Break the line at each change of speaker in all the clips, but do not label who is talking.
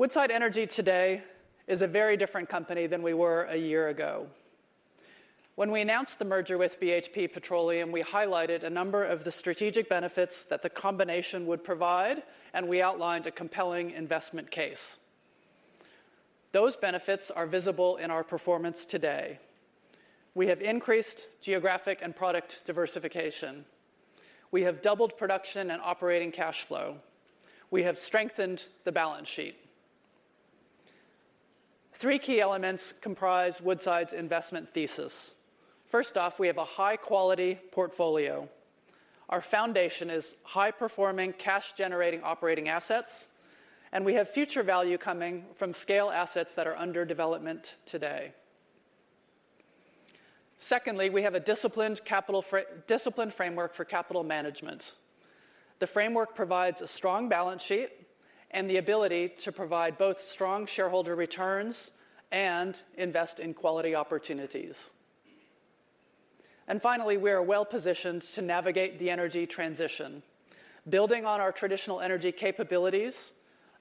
Woodside Energy today is a very different company than we were a year ago. When we announced the merger with BHP Petroleum, we highlighted a number of the strategic benefits that the combination would provide, and we outlined a compelling investment case. Those benefits are visible in our performance today. We have increased geographic and product diversification. We have doubled production and operating cash flow. We have strengthened the balance sheet. Three key elements comprise Woodside's investment thesis. First off, we have a high-quality portfolio. Our foundation is high-performing, cash-generating operating assets, and we have future value coming from scale assets that are under development today. Secondly, we have a disciplined framework for capital management. The framework provides a strong balance sheet and the ability to provide both strong shareholder returns and invest in quality opportunities. Finally, we are well-positioned to navigate the energy transition, building on our traditional energy capabilities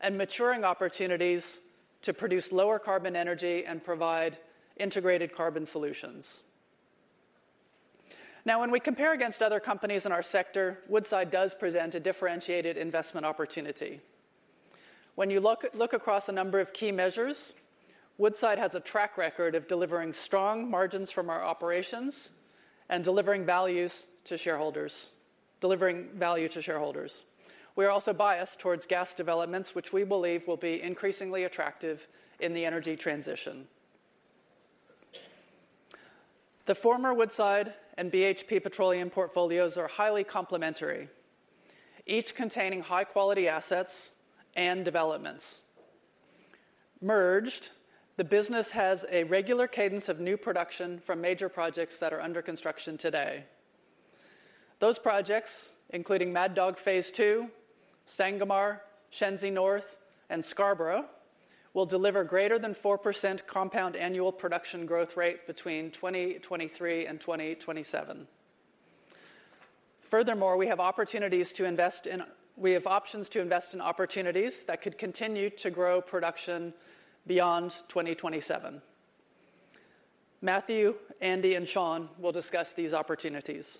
and maturing opportunities to produce lower carbon energy and provide integrated carbon solutions. When we compare against other companies in our sector, Woodside does present a differentiated investment opportunity. When you look across a number of key measures, Woodside has a track record of delivering strong margins from our operations and delivering value to shareholders. We are also biased towards gas developments, which we believe will be increasingly attractive in the energy transition. The former Woodside and BHP Petroleum portfolios are highly complementary, each containing high-quality assets and developments. Merged, the business has a regular cadence of new production from major projects that are under construction today. Those projects, including Mad Dog Phase Two, Sangomar, Shenzi North, and Scarborough, will deliver greater than 4% compound annual production growth rate between 2023 and 2027. Furthermore, we have options to invest in opportunities that could continue to grow production beyond 2027. Matthew, Andy, and Shaun will discuss these opportunities.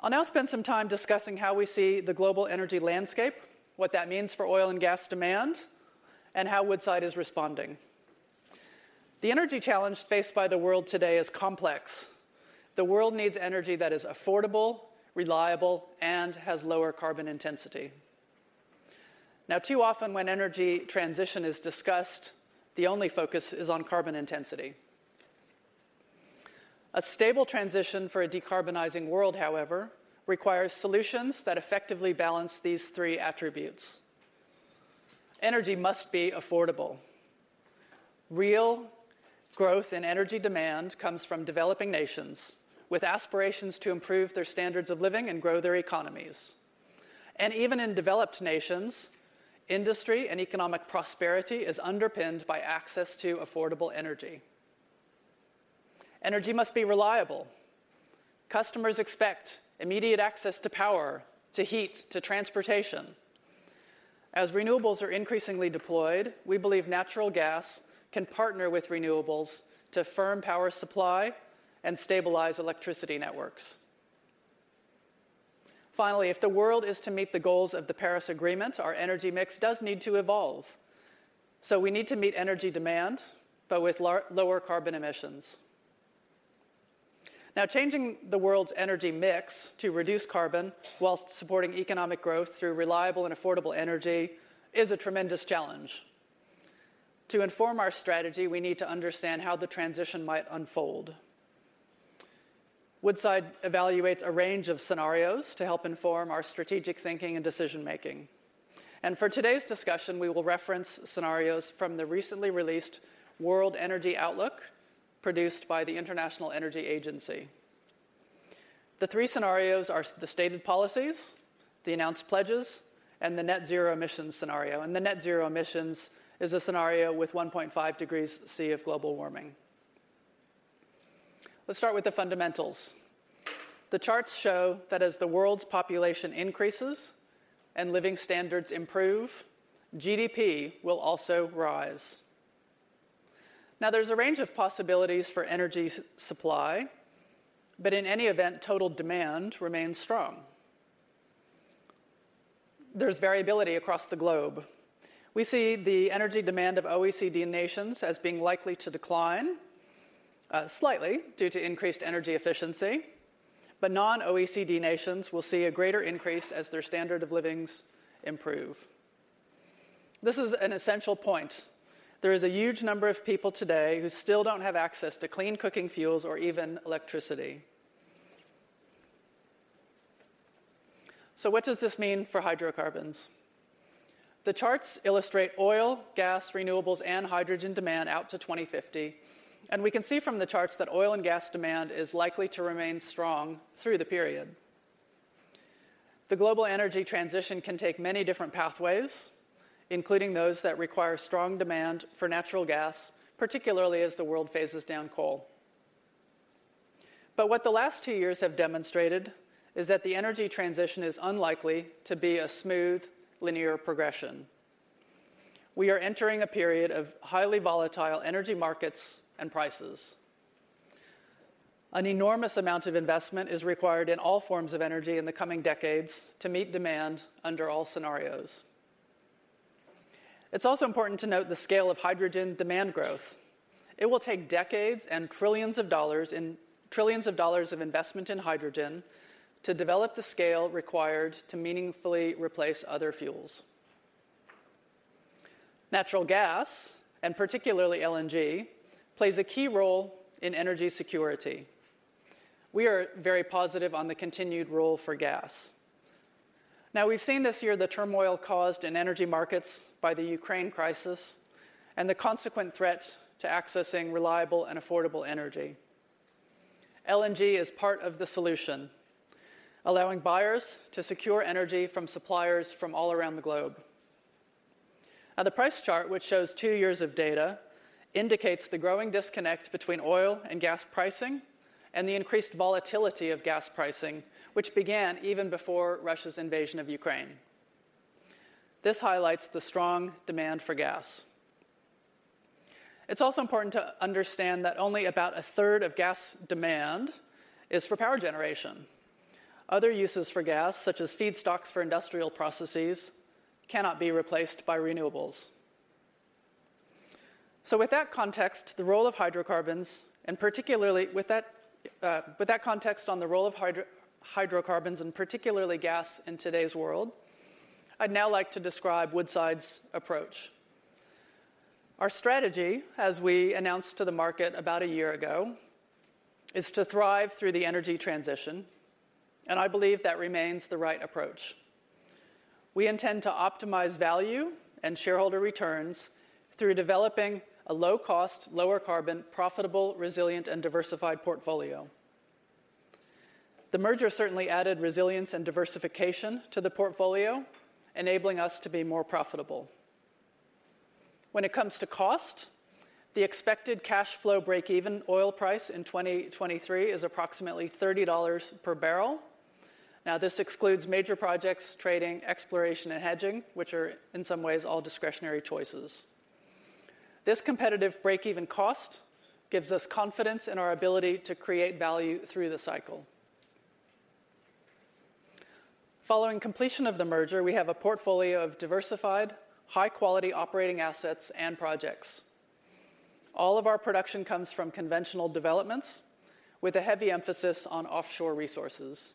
I'll now spend some time discussing how we see the global energy landscape, what that means for oil and gas demand, and how Woodside is responding. The energy challenge faced by the world today is complex. The world needs energy that is affordable, reliable, and has lower carbon intensity. Now, too often when energy transition is discussed, the only focus is on carbon intensity. A stable transition for a decarbonizing world, however, requires solutions that effectively balance these three attributes. Energy must be affordable. Real growth in energy demand comes from developing nations with aspirations to improve their standards of living and grow their economies. Even in developed nations, industry and economic prosperity is underpinned by access to affordable energy. Energy must be reliable. Customers expect immediate access to power, to heat, to transportation. As renewables are increasingly deployed, we believe natural gas can partner with renewables to firm power supply and stabilize electricity networks. Finally, if the world is to meet the goals of the Paris Agreement, our energy mix does need to evolve. We need to meet energy demand, but with lower carbon emissions. Changing the world's energy mix to reduce carbon whilst supporting economic growth through reliable and affordable energy is a tremendous challenge. To inform our strategy, we need to understand how the transition might unfold. Woodside evaluates a range of scenarios to help inform our strategic thinking and decision-making. For today's discussion, we will reference scenarios from the recently released World Energy Outlook, produced by the International Energy Agency. The three scenarios are the stated policies, the announced pledges, and the net zero emissions scenario, and the net zero emissions is a scenario with 1.5 °C of global warming. Let's start with the fundamentals. The charts show that as the world's population increases and living standards improve, GDP will also rise. There's a range of possibilities for energy supply, but in any event, total demand remains strong. There's variability across the globe. We see the energy demand of OECD nations as being likely to decline slightly due to increased energy efficiency, but non-OECD nations will see a greater increase as their standard of livings improve. This is an essential point. There is a huge number of people today who still don't have access to clean cooking fuels or even electricity. What does this mean for hydrocarbons? The charts illustrate oil, gas, renewables, and hydrogen demand out to 2050, and we can see from the charts that oil and gas demand is likely to remain strong through the period. The global energy transition can take many different pathways, including those that require strong demand for natural gas, particularly as the world phases down coal. What the last two years have demonstrated is that the energy transition is unlikely to be a smooth, linear progression. We are entering a period of highly volatile energy markets and prices. An enormous amount of investment is required in all forms of energy in the coming decades to meet demand under all scenarios. It's also important to note the scale of hydrogen demand growth. It will take decades and trillions of dollars of investment in hydrogen to develop the scale required to meaningfully replace other fuels. Natural gas, and particularly LNG, plays a key role in energy security. We are very positive on the continued role for gas. We've seen this year the turmoil caused in energy markets by the Ukraine crisis and the consequent threat to accessing reliable and affordable energy. LNG is part of the solution, allowing buyers to secure energy from suppliers from all around the globe. The price chart, which shows two years of data, indicates the growing disconnect between oil and gas pricing and the increased volatility of gas pricing, which began even before Russia's invasion of Ukraine. This highlights the strong demand for gas. It's also important to understand that only about a third of gas demand is for power generation. Other uses for gas, such as feedstocks for industrial processes, cannot be replaced by renewables. With that context on the role of hydrocarbons and particularly gas in today's world, I'd now like to describe Woodside's approach. Our strategy, as we announced to the market about a year ago, is to thrive through the energy transition, and I believe that remains the right approach. We intend to optimize value and shareholder returns through developing a low-cost, lower carbon, profitable, resilient, and diversified portfolio. The merger certainly added resilience and diversification to the portfolio, enabling us to be more profitable. When it comes to cost, the expected cash flow breakeven oil price in 2023 is approximately $30 per barrel. This excludes major projects, trading, exploration, and hedging, which are in some ways all discretionary choices. This competitive breakeven cost gives us confidence in our ability to create value through the cycle. Following completion of the merger, we have a portfolio of diversified, high-quality operating assets and projects. All of our production comes from conventional developments, with a heavy emphasis on offshore resources.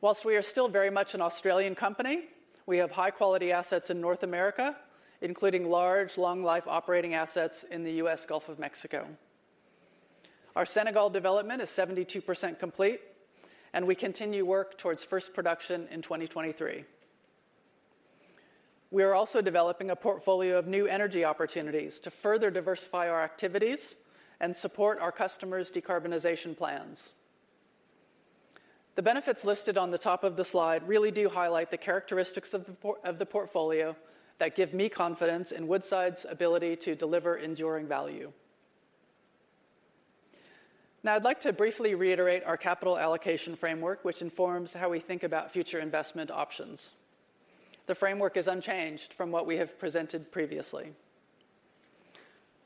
Whilst we are still very much an Australian company, we have high-quality assets in North America, including large, long-life operating assets in the U.S. Gulf of Mexico. Our Senegal development is 72% complete, and we continue work towards first production in 2023. We are also developing a portfolio of new energy opportunities to further diversify our activities and support our customers' decarbonization plans. The benefits listed on the top of the slide really do highlight the characteristics of the portfolio that give me confidence in Woodside's ability to deliver enduring value. I'd like to briefly reiterate our capital allocation framework, which informs how we think about future investment options. The framework is unchanged from what we have presented previously.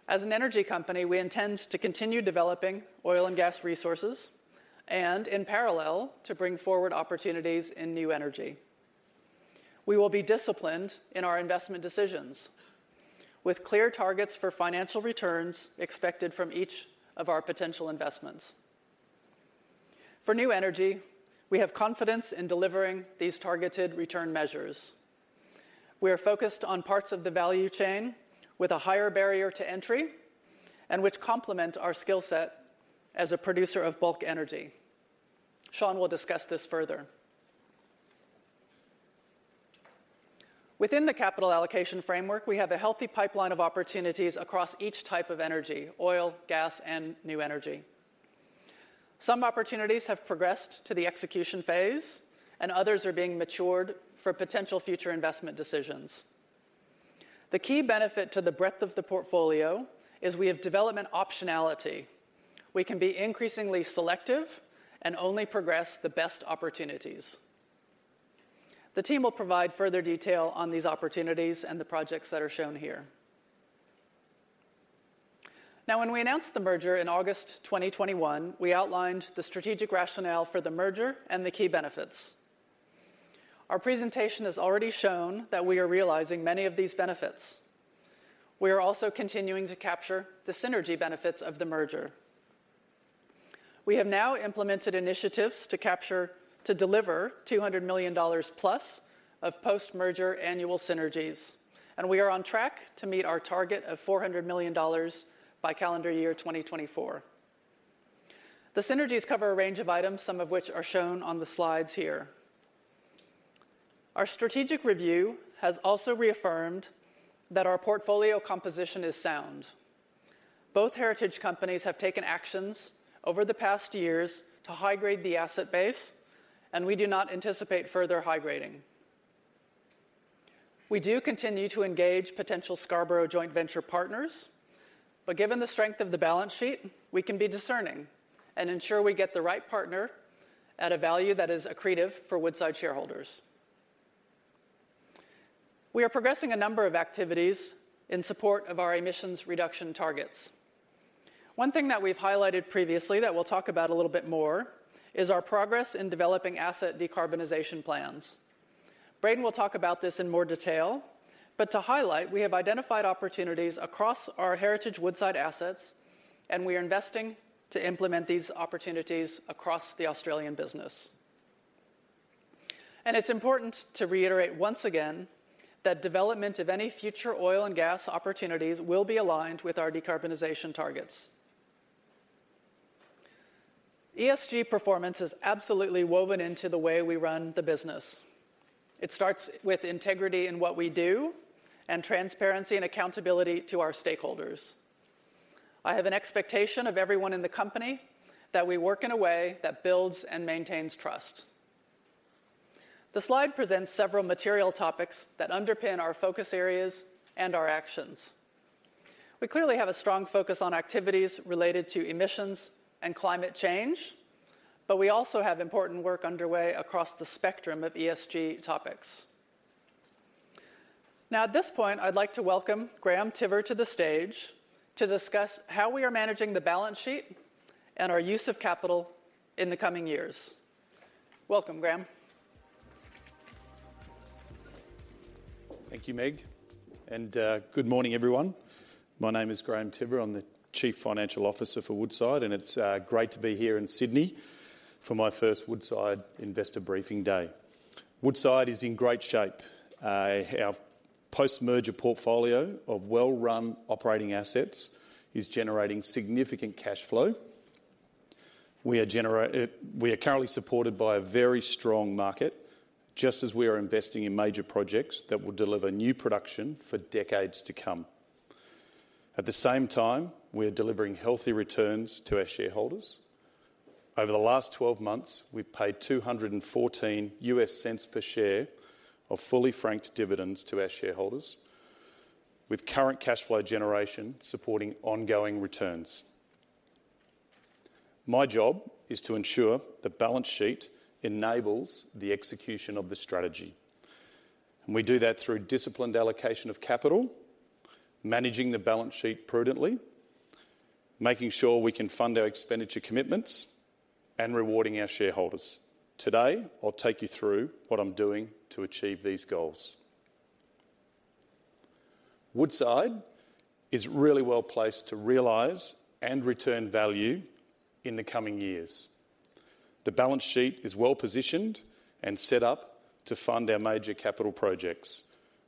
As an energy company, we intend to continue developing oil and gas resources and, in parallel, to bring forward opportunities in new energy. We will be disciplined in our investment decisions, with clear targets for financial returns expected from each of our potential investments. For new energy, we have confidence in delivering these targeted return measures. We are focused on parts of the value chain with a higher barrier to entry and which complement our skill set as a producer of bulk energy. Shaun will discuss this further. Within the capital allocation framework, we have a healthy pipeline of opportunities across each type of energy: oil, gas, and new energy. Some opportunities have progressed to the execution phase, and others are being matured for potential future investment decisions. The key benefit to the breadth of the portfolio is we have development optionality. We can be increasingly selective and only progress the best opportunities. The team will provide further detail on these opportunities and the projects that are shown here. When we announced the merger in August 2021, we outlined the strategic rationale for the merger and the key benefits. Our presentation has already shown that we are realizing many of these benefits. We are also continuing to capture the synergy benefits of the merger. We have now implemented initiatives to deliver $200 million-plus of post-merger annual synergies, and we are on track to meet our target of $400 million by calendar year 2024. The synergies cover a range of items, some of which are shown on the slides here. Our strategic review has also reaffirmed that our portfolio composition is sound. Both heritage companies have taken actions over the past years to high-grade the asset base, and we do not anticipate further high-grading. We do continue to engage potential Scarborough joint venture partners. Given the strength of the balance sheet, we can be discerning and ensure we get the right partner at a value that is accretive for Woodside shareholders. We are progressing a number of activities in support of our emissions reduction targets. One thing that we've highlighted previously that we'll talk about a little bit more is our progress in developing asset decarbonization plans. Brayden will talk about this in more detail, but to highlight, we have identified opportunities across our Heritage Woodside assets, and we are investing to implement these opportunities across the Australian business. It's important to reiterate once again that development of any future oil and gas opportunities will be aligned with our decarbonization targets. ESG performance is absolutely woven into the way we run the business. It starts with integrity in what we do and transparency and accountability to our stakeholders. I have an expectation of everyone in the company that we work in a way that builds and maintains trust. The slide presents several material topics that underpin our focus areas and our actions. We clearly have a strong focus on activities related to emissions and climate change, but we also have important work underway across the spectrum of ESG topics. Now at this point, I'd like to welcome Graham Tiver to the stage to discuss how we are managing the balance sheet and our use of capital in the coming years. Welcome, Graham.
Thank you, Meg. Good morning, everyone. My name is Graham Tiver. I'm the Chief Financial Officer for Woodside. It's great to be here in Sydney for my first Woodside Investor Briefing Day. Woodside is in great shape. Our post-merger portfolio of well-run operating assets is generating significant cash flow. We are currently supported by a very strong market, just as we are investing in major projects that will deliver new production for decades to come. At the same time, we are delivering healthy returns to our shareholders. Over the last 12 months, we've paid $2.14 per share of fully franked dividends to our shareholders, with current cash flow generation supporting ongoing returns. My job is to ensure the balance sheet enables the execution of the strategy, and we do that through disciplined allocation of capital, managing the balance sheet prudently, making sure we can fund our expenditure commitments, and rewarding our shareholders. Today, I'll take you through what I'm doing to achieve these goals. Woodside is really well placed to realize and return value in the coming years. The balance sheet is well-positioned and set up to fund our major capital projects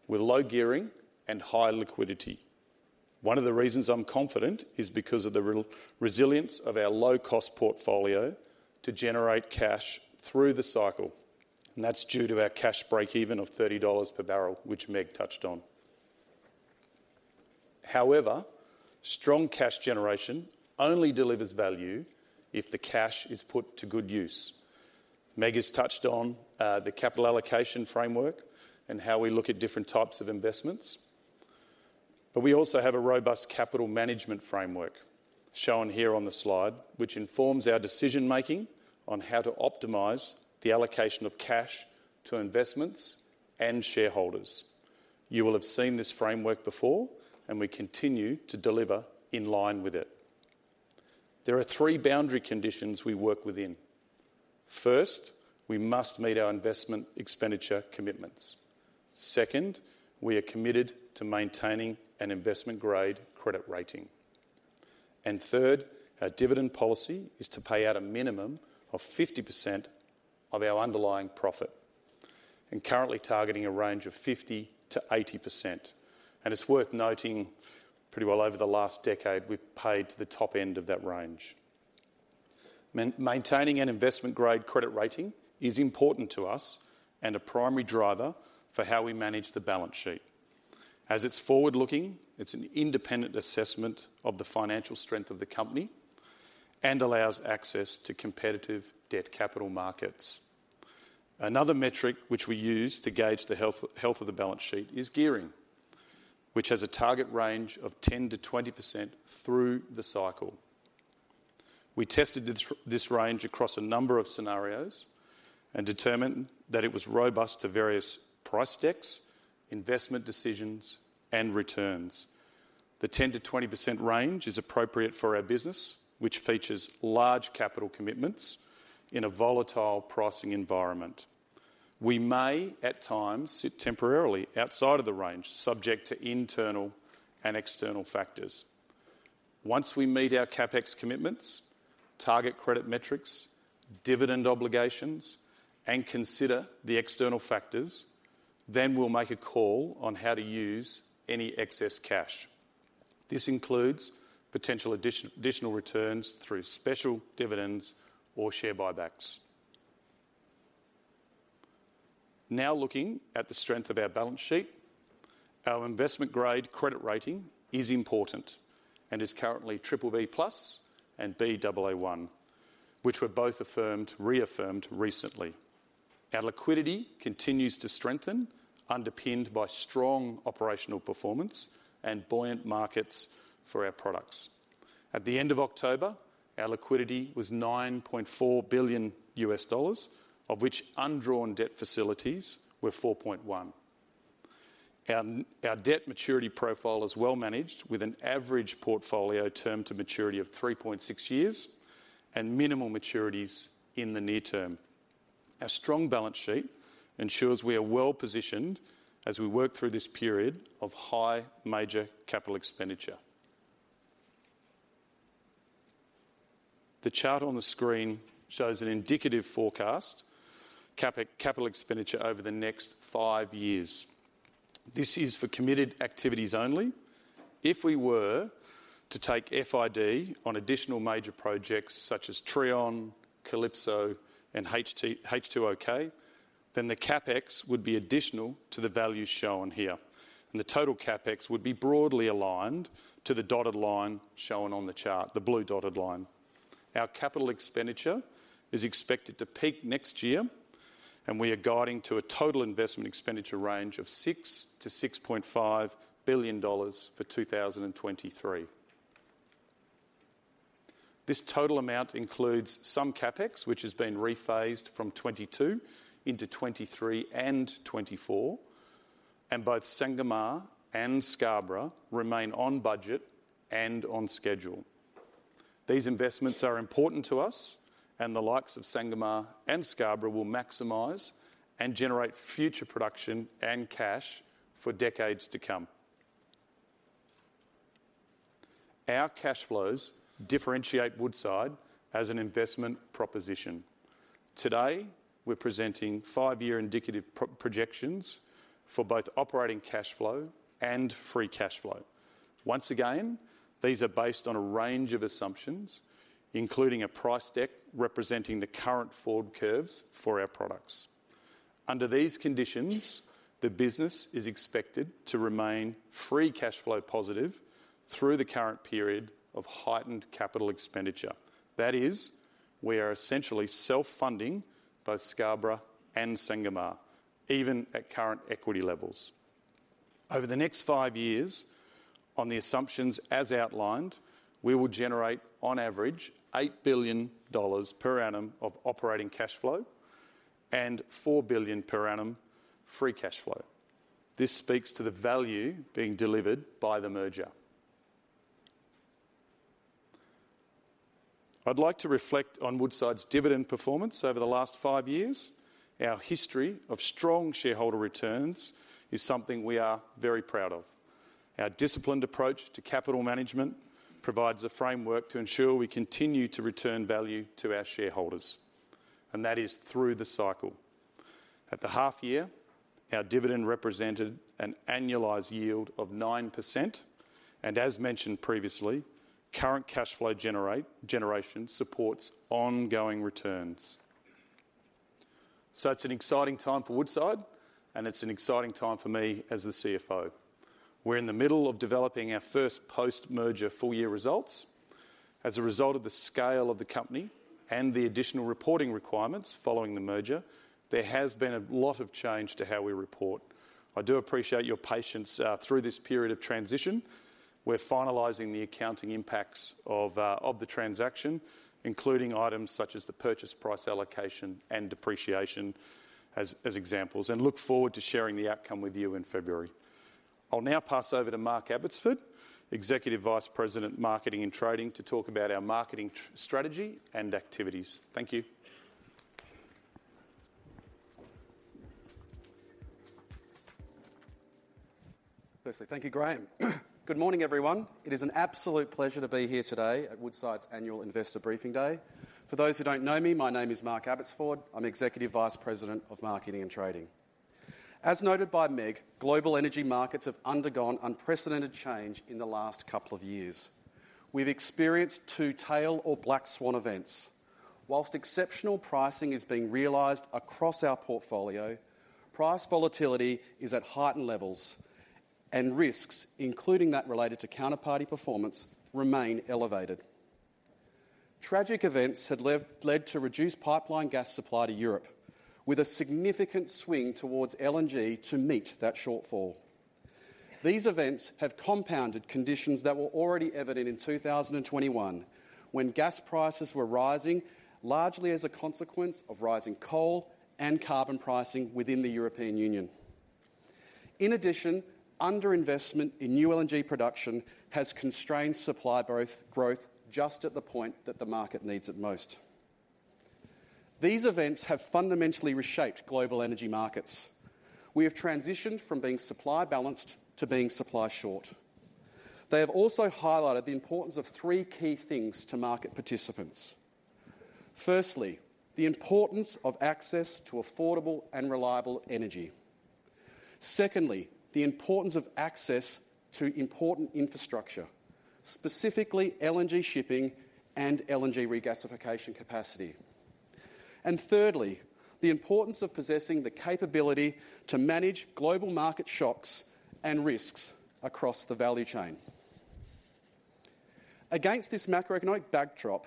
with low gearing and high liquidity. One of the reasons I'm confident is because of the resilience of our low-cost portfolio to generate cash through the cycle, and that's due to our cash breakeven of $30 per barrel, which Meg touched on. However, strong cash generation only delivers value if the cash is put to good use. Meg has touched on the capital allocation framework and how we look at different types of investments, but we also have a robust capital management framework shown here on the slide, which informs our decision-making on how to optimize the allocation of cash to investments and shareholders. You will have seen this framework before, and we continue to deliver in line with it. There are three boundary conditions we work within. First, we must meet our investment expenditure commitments. Second, we are committed to maintaining an investment-grade credit rating. Third, our dividend policy is to pay out a minimum of 50% of our underlying profit and currently targeting a range of 50%-80%. It's worth noting pretty well over the last decade, we've paid to the top end of that range. Maintaining an investment-grade credit rating is important to us and a primary driver for how we manage the balance sheet. As it's forward-looking, it's an independent assessment of the financial strength of the company and allows access to competitive debt capital markets. Another metric which we use to gauge the health of the balance sheet is Gearing, which has a target range of 10%-20% through the cycle. We tested this range across a number of scenarios and determined that it was robust to various price decks, investment decisions, and returns. The 10%-20% range is appropriate for our business, which features large capital commitments in a volatile pricing environment. We may, at times, sit temporarily outside of the range, subject to internal and external factors. Once we meet our CapEx commitments, target credit metrics, dividend obligations, and consider the external factors, we'll make a call on how to use any excess cash. This includes potential additional returns through special dividends or share buybacks. Looking at the strength of our balance sheet, our investment-grade credit rating is important and is currently BBB+ and Baa1. Which were both reaffirmed recently. Our liquidity continues to strengthen, underpinned by strong operational performance and buoyant markets for our products. At the end of October, our liquidity was $9.4 billion, of which undrawn debt facilities were $4.1 billion. Our debt maturity profile is well managed, with an average portfolio term to maturity of 3.6 years and minimal maturities in the near term. Our strong balance sheet ensures we are well-positioned as we work through this period of high major capital expenditure. The chart on the screen shows an indicative forecast capital expenditure over the next five years. This is for committed activities only. If we were to take FID on additional major projects such as Trion, Calypso and H2OK, then the CapEx would be additional to the values shown here, and the total CapEx would be broadly aligned to the dotted line shown on the chart, the blue dotted line. Our capital expenditure is expected to peak next year, and we are guiding to a total investment expenditure range of $6 billion-$6.5 billion for 2023. This total amount includes some CapEx, which is being rephased from 2022 into 2023 and 2024. Both Sangomar and Scarborough remain on budget and on schedule. These investments are important to us, and the likes of Sangomar and Scarborough will maximize and generate future production and cash for decades to come. Our cash flows differentiate Woodside as an investment proposition. Today, we're presenting five-year indicative pro-projections for both operating cash flow and free cash flow. Once again, these are based on a range of assumptions, including a price deck representing the current forward curves for our products. Under these conditions, the business is expected to remain free cash flow positive through the current period of heightened capital expenditure. That is, we are essentially self-funding both Scarborough and Sangomar, even at current equity levels. Over the next five years, on the assumptions as outlined, we will generate on average $8 billion per annum of operating cash flow and $4 billion per annum free cash flow. This speaks to the value being delivered by the merger. I'd like to reflect on Woodside's dividend performance over the last five years. Our history of strong shareholder returns is something we are very proud of. Our disciplined approach to capital management provides a framework to ensure we continue to return value to our shareholders, and that is through the cycle. At the half year, our dividend represented an annualized yield of 9% and as mentioned previously, current cash flow generation supports ongoing returns. It's an exciting time for Woodside, and it's an exciting time for me as the CFO. We're in the middle of developing our first post-merger full-year results. As a result of the scale of the company and the additional reporting requirements following the merger, there has been a lot of change to how we report. I do appreciate your patience through this period of transition. We're finalizing the accounting impacts of the transaction, including items such as the purchase price allocation and depreciation as examples. Look forward to sharing the outcome with you in February. I'll now pass over to Mark Abbotsford, Executive Vice President, Marketing and Trading, to talk about our marketing strategy and activities. Thank you.
Firstly, thank you, Graham. Good morning, everyone. It is an absolute pleasure to be here today at Woodside's Annual Investor Briefing Day. For those who don't know me, my name is Mark Abbotsford. I'm Executive Vice President of Marketing and Trading. As noted by Meg, global energy markets have undergone unprecedented change in the last couple of years. We've experienced two tail or black swan events. Whilst exceptional pricing is being realized across our portfolio, price volatility is at heightened levels and risks, including that related to counterparty performance, remain elevated. Tragic events had led to reduced pipeline gas supply to Europe with a significant swing towards LNG to meet that shortfall. These events have compounded conditions that were already evident in 2021, when gas prices were rising largely as a consequence of rising coal and carbon pricing within the European Union. Underinvestment in new LNG production has constrained supply both growth just at the point that the market needs it most. These events have fundamentally reshaped global energy markets. We have transitioned from being supply balanced to being supply short. They have also highlighted the importance of three key things to market participants. Firstly, the importance of access to affordable and reliable energy. Secondly, the importance of access to important infrastructure, specifically LNG shipping and LNG regasification capacity. Thirdly, the importance of possessing the capability to manage global market shocks and risks across the value chain. Against this macroeconomic backdrop,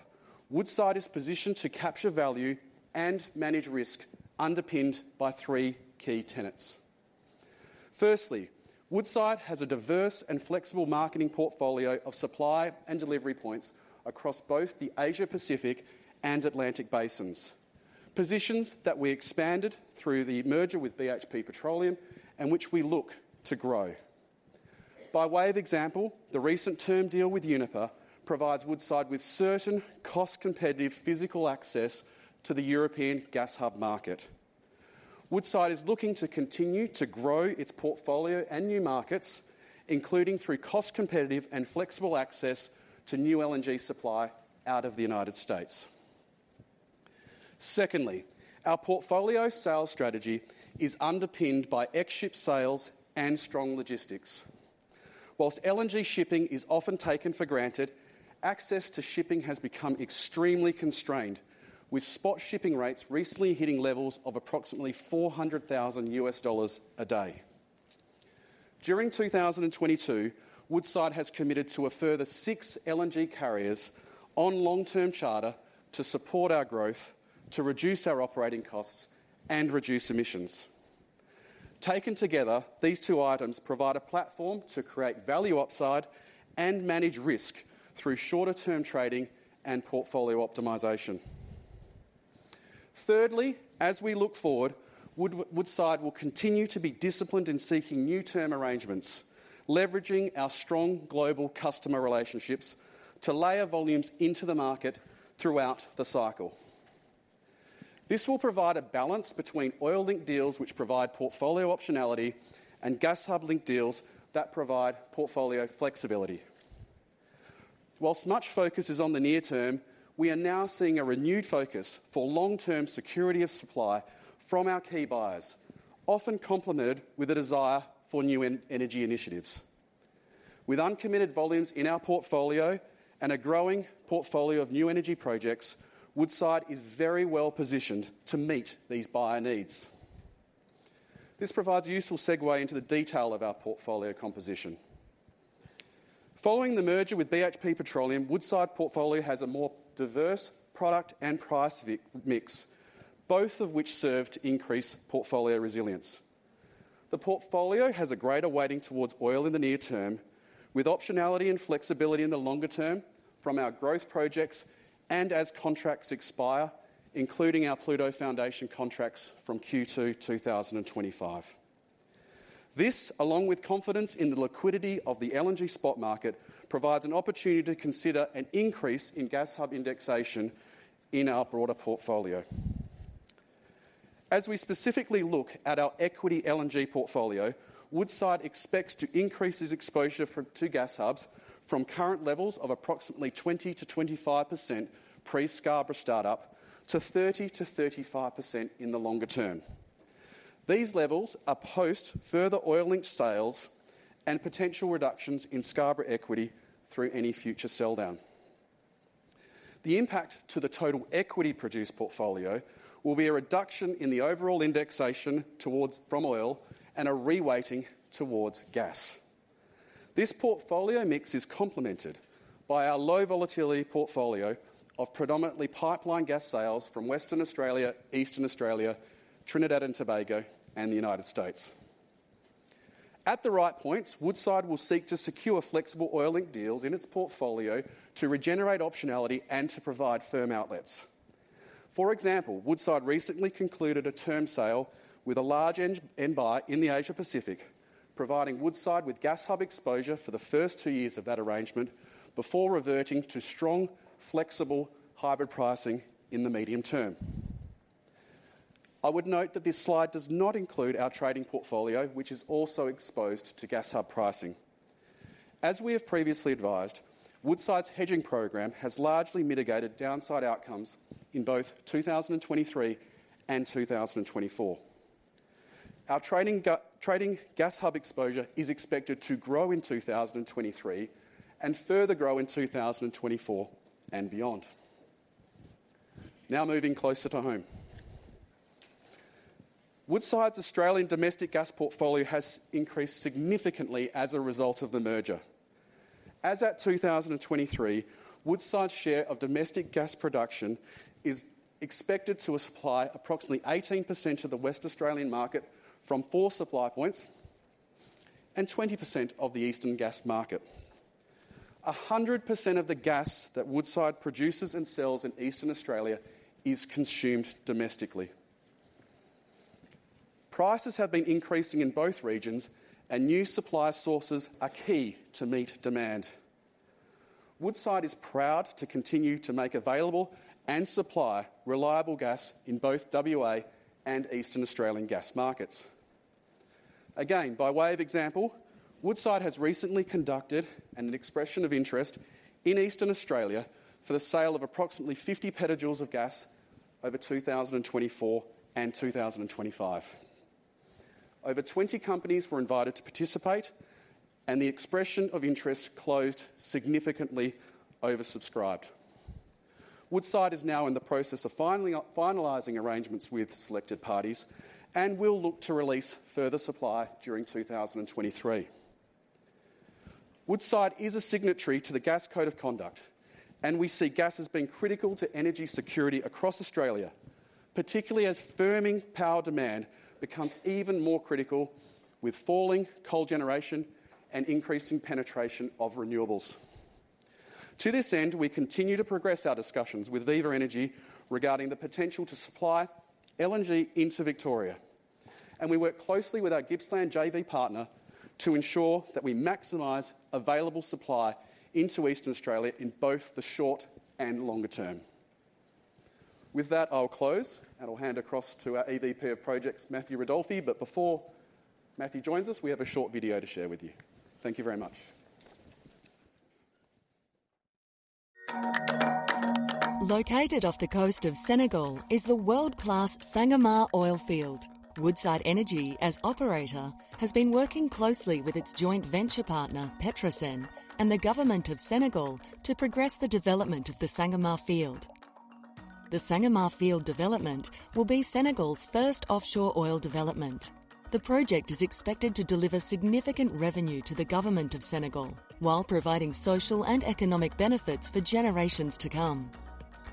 Woodside is positioned to capture value and manage risk underpinned by three key tenets. Firstly, Woodside has a diverse and flexible marketing portfolio of supply and delivery points across both the Asia Pacific and Atlantic basins, positions that we expanded through the merger with BHP Petroleum and which we look to grow. By way of example, the recent term deal with Uniper provides Woodside with certain cost-competitive physical access to the European gas hub market. Woodside is looking to continue to grow its portfolio and new markets, including through cost-competitive and flexible access to new LNG supply out of the United States. Secondly, our portfolio sales strategy is underpinned by ex-ship sales and strong logistics. Whilst LNG shipping is often taken for granted, access to shipping has become extremely constrained, with spot shipping rates recently hitting levels of approximately $400,000 a day. During 2022, Woodside has committed to a further six LNG carriers on long-term charter to support our growth, to reduce our operating costs and reduce emissions. Taken together, these two items provide a platform to create value upside and manage risk through shorter-term trading and portfolio optimization. As we look forward, Woodside will continue to be disciplined in seeking new term arrangements, leveraging our strong global customer relationships to layer volumes into the market throughout the cycle. This will provide a balance between oil-linked deals which provide portfolio optionality and gas hub-linked deals that provide portfolio flexibility. While much focus is on the near term, we are now seeing a renewed focus for long-term security of supply from our key buyers, often complemented with a desire for new energy initiatives. With uncommitted volumes in our portfolio and a growing portfolio of new energy projects, Woodside is very well positioned to meet these buyer needs. This provides a useful segue into the detail of our portfolio composition. Following the merger with BHP Petroleum, Woodside portfolio has a more diverse product and price mix, both of which serve to increase portfolio resilience. The portfolio has a greater weighting towards oil in the near term, with optionality and flexibility in the longer term from our growth projects and as contracts expire, including our Pluto foundation contracts from Q2 2025. This, along with confidence in the liquidity of the LNG spot market, provides an opportunity to consider an increase in gas hub indexation in our broader portfolio. As we specifically look at our equity LNG portfolio, Woodside expects to increase its exposure to gas hubs from current levels of approximately 20%-25% pre-Scarborough start up to 30%-35% in the longer term. These levels are post further oil-linked sales and potential reductions in Scarborough equity through any future sell down. The impact to the total equity produced portfolio will be a reduction in the overall indexation from oil and a reweighting towards gas. This portfolio mix is complemented by our low volatility portfolio of predominantly pipeline gas sales from Western Australia, Eastern Australia, Trinidad and Tobago, and the United States. At the right points, Woodside will seek to secure flexible oil-linked deals in its portfolio to regenerate optionality and to provide firm outlets. For example, Woodside recently concluded a term sale with a large end-end buyer in the Asia Pacific, providing Woodside with gas hub exposure for the first two years of that arrangement before reverting to strong, flexible hybrid pricing in the medium term. I would note that this slide does not include our trading portfolio, which is also exposed to gas hub pricing. As we have previously advised, Woodside's hedging program has largely mitigated downside outcomes in both 2023 and 2024. Our trading gas hub exposure is expected to grow in 2023 and further grow in 2024 and beyond. Moving closer to home. Woodside's Australian domestic gas portfolio has increased significantly as a result of the merger. As at 2023, Woodside's share of domestic gas production is expected to supply approximately 18% of the West Australian market from four supply points and 20% of the eastern gas market. 100% of the gas that Woodside produces and sells in Eastern Australia is consumed domestically. Prices have been increasing in both regions. New supply sources are key to meet demand. Woodside is proud to continue to make available and supply reliable gas in both WA and Eastern Australian gas markets. By way of example, Woodside has recently conducted an expression of interest in Eastern Australia for the sale of approximately 50 PJ of gas over 2024 and 2025. Over 20 companies were invited to participate. The expression of interest closed significantly oversubscribed. Woodside is now in the process of finalizing arrangements with selected parties will look to release further supply during 2023. Woodside is a signatory to the Gas Code of Conduct, we see gas as being critical to energy security across Australia, particularly as firming power demand becomes even more critical with falling coal generation and increasing penetration of renewables. To this end, we continue to progress our discussions with Viva Energy regarding the potential to supply LNG into Victoria. We work closely with our Gippsland JV partner to ensure that we maximize available supply into Eastern Australia in both the short and longer term. With that, I'll close and I'll hand across to our EVP of Projects, Matthew Ridolfi. Before Matthew joins us, we have a short video to share with you. Thank you very much.
Located off the coast of Senegal is the world-class Sangomar oil field. Woodside Energy, as operator, has been working closely with its joint venture partner, PETROSEN, and the government of Senegal to progress the development of the Sangomar field. The Sangomar Field Development will be Senegal's first offshore oil development. The project is expected to deliver significant revenue to the Government of Senegal while providing social and economic benefits for generations to come.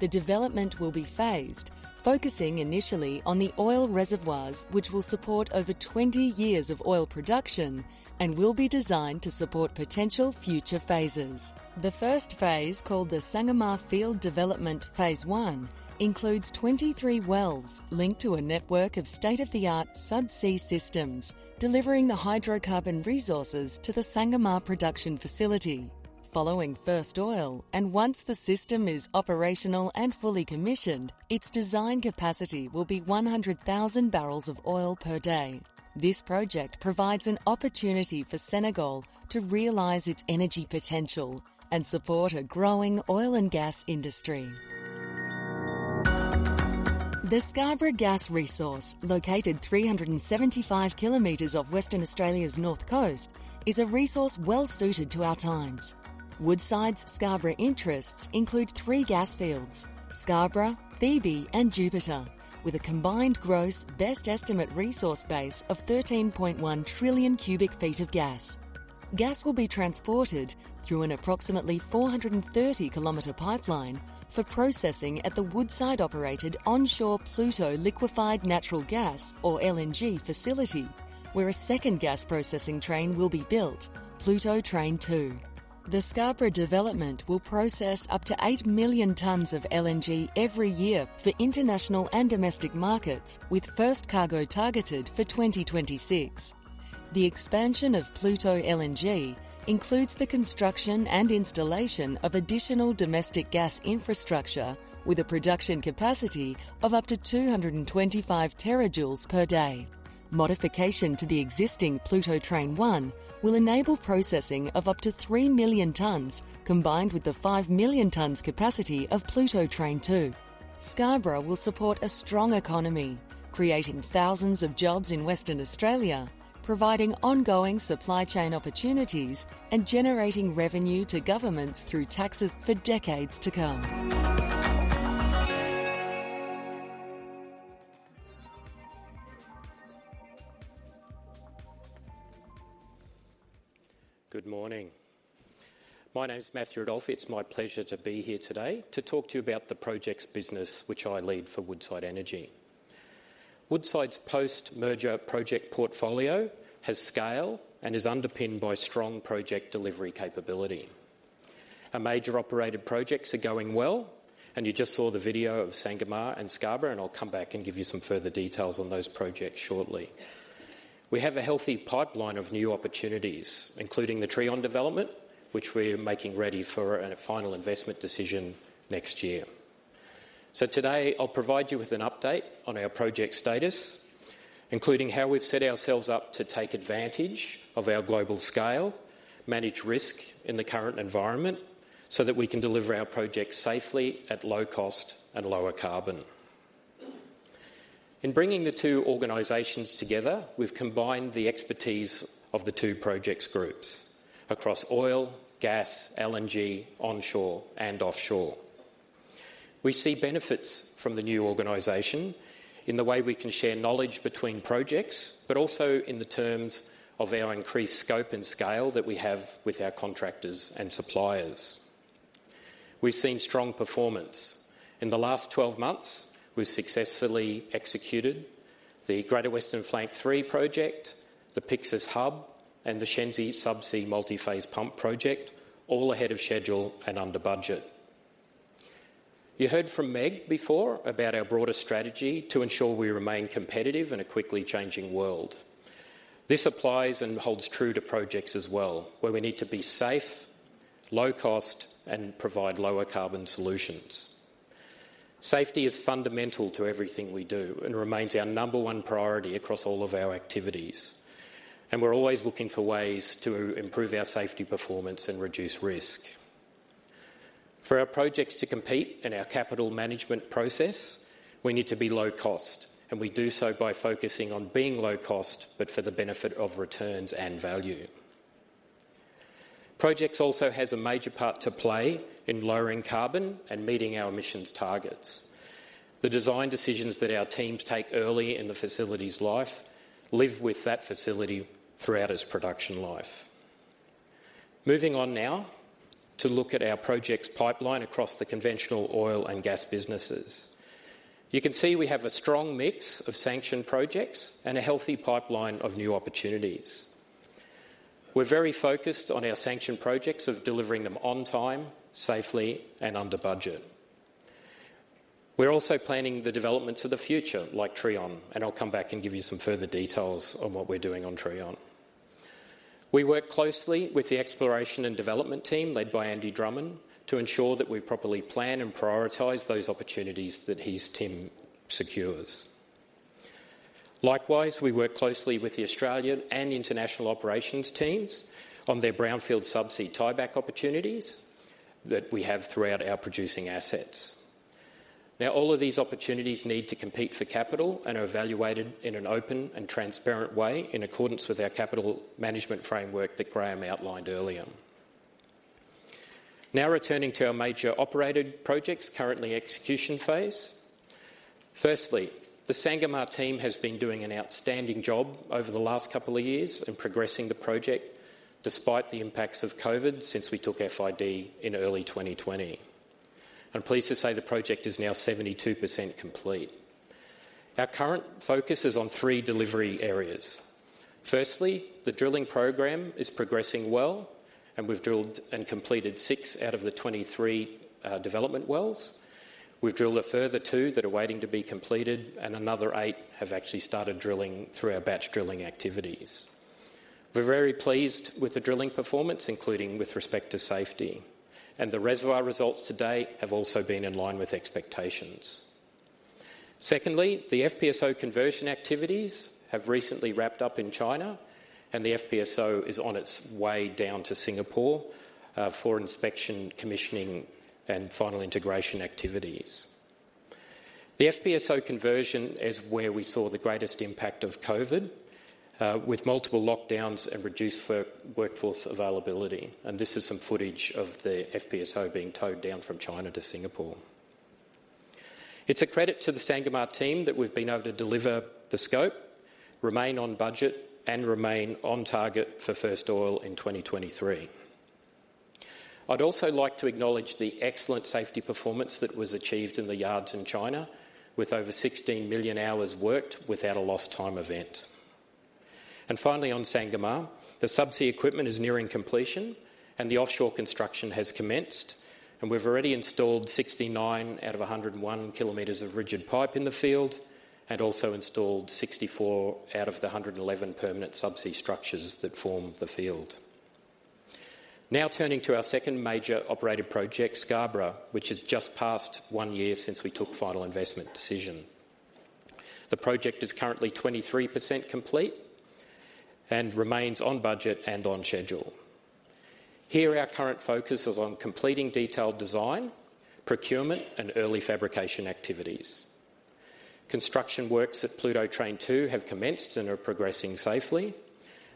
The development will be phased, focusing initially on the oil reservoirs which will support over 20 years of oil production and will be designed to support potential future phases. The first phase, called the Sangomar Field Development Phase 1, includes 23 wells linked to a network of state-of-the-art subsea systems, delivering the hydrocarbon resources to the Sangomar production facility. Following first oil, once the system is operational and fully commissioned, its design capacity will be 100,000 barrels of oil per day. This project provides an opportunity for Senegal to realize its energy potential and support a growing oil and gas industry. The Scarborough Gas Resource, located 375 km off Western Australia's north coast, is a resource well-suited to our times. Woodside's Scarborough interests include three gas fields, Scarborough, Phoebe, and Jupiter, with a combined gross best estimate resource base of 13.1 trillion cu. ft of gas. Gas will be transported through an approximately 430 km pipeline for processing at the Woodside-operated onshore Pluto liquefied natural gas or LNG facility, where a second gas processing train will be built, Pluto Train 2. The Scarborough development will process up to 8 million tons of LNG every year for international and domestic markets, with first cargo targeted for 2026. The expansion of Pluto LNG includes the construction and installation of additional domestic gas infrastructure with a production capacity of up to 225 TJ per day. Modification to the existing Pluto Train 1 will enable processing of up to 3 million tons, combined with the 5 million tons capacity of Pluto Train 2. Scarborough will support a strong economy, creating thousands of jobs in Western Australia, providing ongoing supply chain opportunities, and generating revenue to governments through taxes for decades to come.
Good morning. My name is Matthew Ridolfi. It's my pleasure to be here today to talk to you about the projects business which I lead for Woodside Energy. Woodside's post-merger project portfolio has scale and is underpinned by strong project delivery capability. Our major operated projects are going well, and you just saw the video of Sangomar and Scarborough, and I'll come back and give you some further details on those projects shortly. We have a healthy pipeline of new opportunities, including the Trion development, which we're making ready for a final investment decision next year. Today, I'll provide you with an update on our project status, including how we've set ourselves up to take advantage of our global scale, manage risk in the current environment, so that we can deliver our projects safely at low cost and lower carbon. In bringing the two organizations together, we've combined the expertise of the two projects groups across oil, gas, LNG, onshore and offshore. We see benefits from the new organization in the way we can share knowledge between projects, also in the terms of our increased scope and scale that we have with our contractors and suppliers. We've seen strong performance. In the last 12 months, we've successfully executed the Greater Western Flank 3 project, the Pyxis Hub, and the Shenzi Subsea Multiphase Pump project, all ahead of schedule and under budget. You heard from Meg before about our broader strategy to ensure we remain competitive in a quickly changing world. This applies and holds true to projects as well, where we need to be safe, low cost, and provide lower carbon solutions. Safety is fundamental to everything we do and remains our number one priority across all of our activities, and we're always looking for ways to improve our safety performance and reduce risk. For our projects to compete in our capital management process, we need to be low cost, and we do so by focusing on being low cost but for the benefit of returns and value. Projects also has a major part to play in lowering carbon and meeting our emissions targets. The design decisions that our teams take early in the facility's life live with that facility throughout its production life. Moving on now to look at our projects pipeline across the conventional oil and gas businesses. You can see we have a strong mix of sanctioned projects and a healthy pipeline of new opportunities. We're very focused on our sanctioned projects of delivering them on time, safely, and under budget. We're also planning the developments of the future like Trion, and I'll come back and give you some further details on what we're doing on Trion. We work closely with the exploration and development team led by Andy Drummond to ensure that we properly plan and prioritize those opportunities that his team secures. Likewise, we work closely with the Australian and International operations teams on their brownfield subsea tieback opportunities that we have throughout our producing assets. Now, all of these opportunities need to compete for capital and are evaluated in an open and transparent way in accordance with our capital management framework that Graham outlined earlier. Now returning to our major operated projects currently execution phase. Firstly, the Sangomar team has been doing an outstanding job over the last couple of years in progressing the project despite the impacts of COVID since we took FID in early 2020. I'm pleased to say the project is now 72% complete. Our current focus is on three delivery areas. Firstly, the drilling program is progressing well, and we've drilled and completed six out of the 23 development wells. We've drilled a further two that are waiting to be completed, and another eight have actually started drilling through our batch drilling activities. We're very pleased with the drilling performance, including with respect to safety, and the reservoir results to date have also been in line with expectations. Secondly, the FPSO conversion activities have recently wrapped up in China, and the FPSO is on its way down to Singapore for inspection, commissioning, and final integration activities. The FPSO conversion is where we saw the greatest impact of COVID, with multiple lockdowns and reduced workforce availability. This is some footage of the FPSO being towed down from China to Singapore. It's a credit to the Sangomar team that we've been able to deliver the scope, remain on budget, and remain on target for first oil in 2023. I'd also like to acknowledge the excellent safety performance that was achieved in the yards in China with over 16 million hours worked without a lost time event. Finally, on Sangomar, the subsea equipment is nearing completion, and the offshore construction has commenced. We've already installed 69 km out of 101 km of rigid pipe in the field and also installed 64 out of the 111 permanent subsea structures that form the field. Now turning to our second major operated project, Scarborough, which is just past one year since we took final investment decision. The project is currently 23% complete and remains on budget and on schedule. Here our current focus is on completing detailed design, procurement, and early fabrication activities. Construction works at Pluto Train Two have commenced and are progressing safely.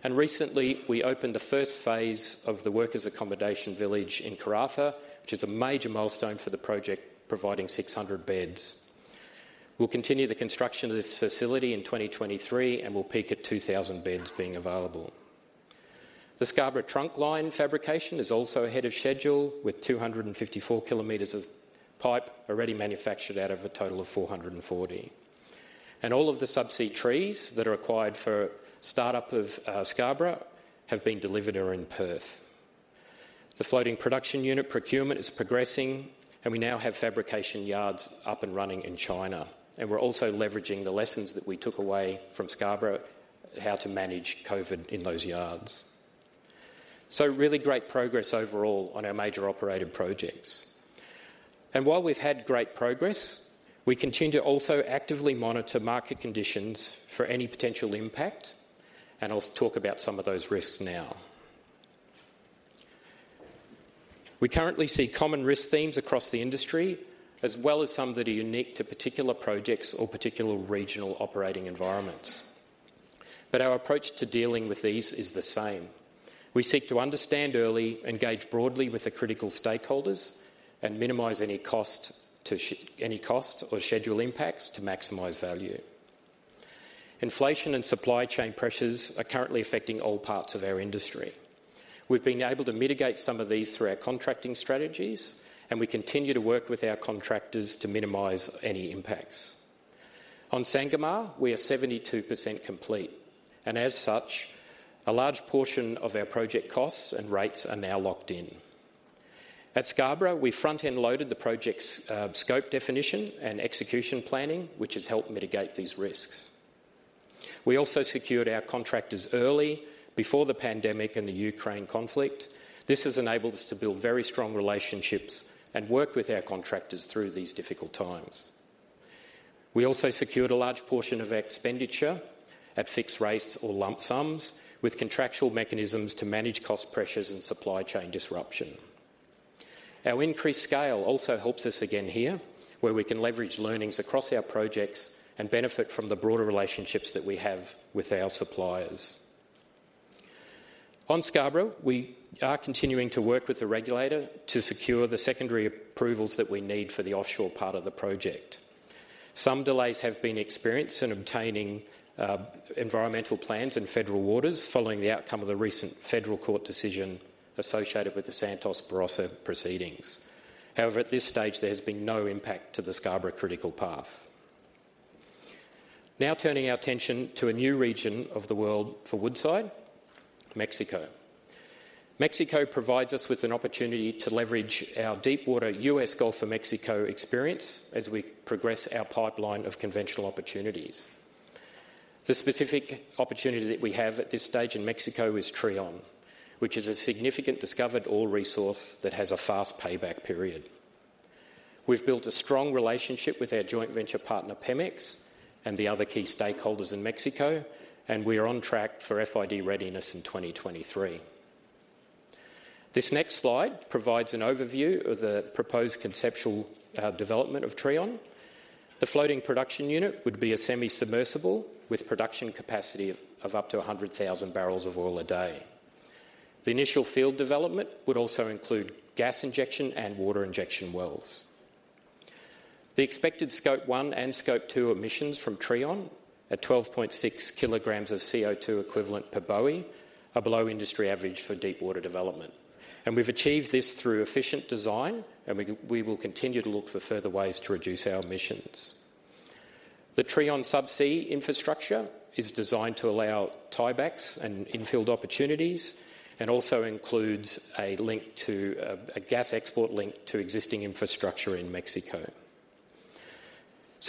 Recently, we opened the first phase of the workers' accommodation village in Karratha, which is a major milestone for the project providing 600 beds. We'll continue the construction of this facility in 2023, we'll peak at 2,000 beds being available. The Scarborough trunkline fabrication is also ahead of schedule with 254 km of pipe already manufactured out of a total of 440 km. All of the subsea trees that are required for startup of Scarborough have been delivered or are in Perth. The floating production unit procurement is progressing, and we now have fabrication yards up and running in China, and we're also leveraging the lessons that we took away from Scarborough, how to manage COVID in those yards. Really great progress overall on our major operated projects. While we've had great progress, we continue to also actively monitor market conditions for any potential impact, and I'll talk about some of those risks now. We currently see common risk themes across the industry as well as some that are unique to particular projects or particular regional operating environments. Our approach to dealing with these is the same. We seek to understand early, engage broadly with the critical stakeholders, and minimize any cost or schedule impacts to maximize value. Inflation and supply chain pressures are currently affecting all parts of our industry. We've been able to mitigate some of these through our contracting strategies, and we continue to work with our contractors to minimize any impacts. On Sangomar, we are 72% complete, and as such, a large portion of our project costs and rates are now locked in. At Scarborough, we front-end loaded the project's scope definition and execution planning, which has helped mitigate these risks. We also secured our contractors early before the pandemic and the Ukraine conflict. This has enabled us to build very strong relationships and work with our contractors through these difficult times. We also secured a large portion of expenditure at fixed rates or lump sums with contractual mechanisms to manage cost pressures and supply chain disruption. Our increased scale also helps us again here, where we can leverage learnings across our projects and benefit from the broader relationships that we have with our suppliers. On Scarborough, we are continuing to work with the regulator to secure the secondary approvals that we need for the offshore part of the project. Some delays have been experienced in obtaining environmental plans in federal waters following the outcome of the recent federal court decision associated with the Santos Barossa proceedings. At this stage, there has been no impact to the Scarborough critical path. Turning our attention to a new region of the world for Woodside, Mexico. Mexico provides us with an opportunity to leverage our deep water US Gulf of Mexico experience as we progress our pipeline of conventional opportunities. The specific opportunity that we have at this stage in Mexico is Trion, which is a significant discovered oil resource that has a fast payback period. We've built a strong relationship with our joint venture partner, PEMEX, and the other key stakeholders in Mexico. We are on track for FID readiness in 2023. This next slide provides an overview of the proposed conceptual development of Trion. The floating production unit would be a semi-submersible with production capacity of up to 100,000 barrels of oil a day. The initial field development would also include gas injection and water injection wells. The expected Scope 1 and Scope 2 emissions from Trion at 12.6 kg of CO₂ equivalent per BOE are below industry average for deepwater development. We've achieved this through efficient design, and we will continue to look for further ways to reduce our emissions. The Trion subsea infrastructure is designed to allow tiebacks and in-field opportunities and also includes a link to a gas export link to existing infrastructure in Mexico.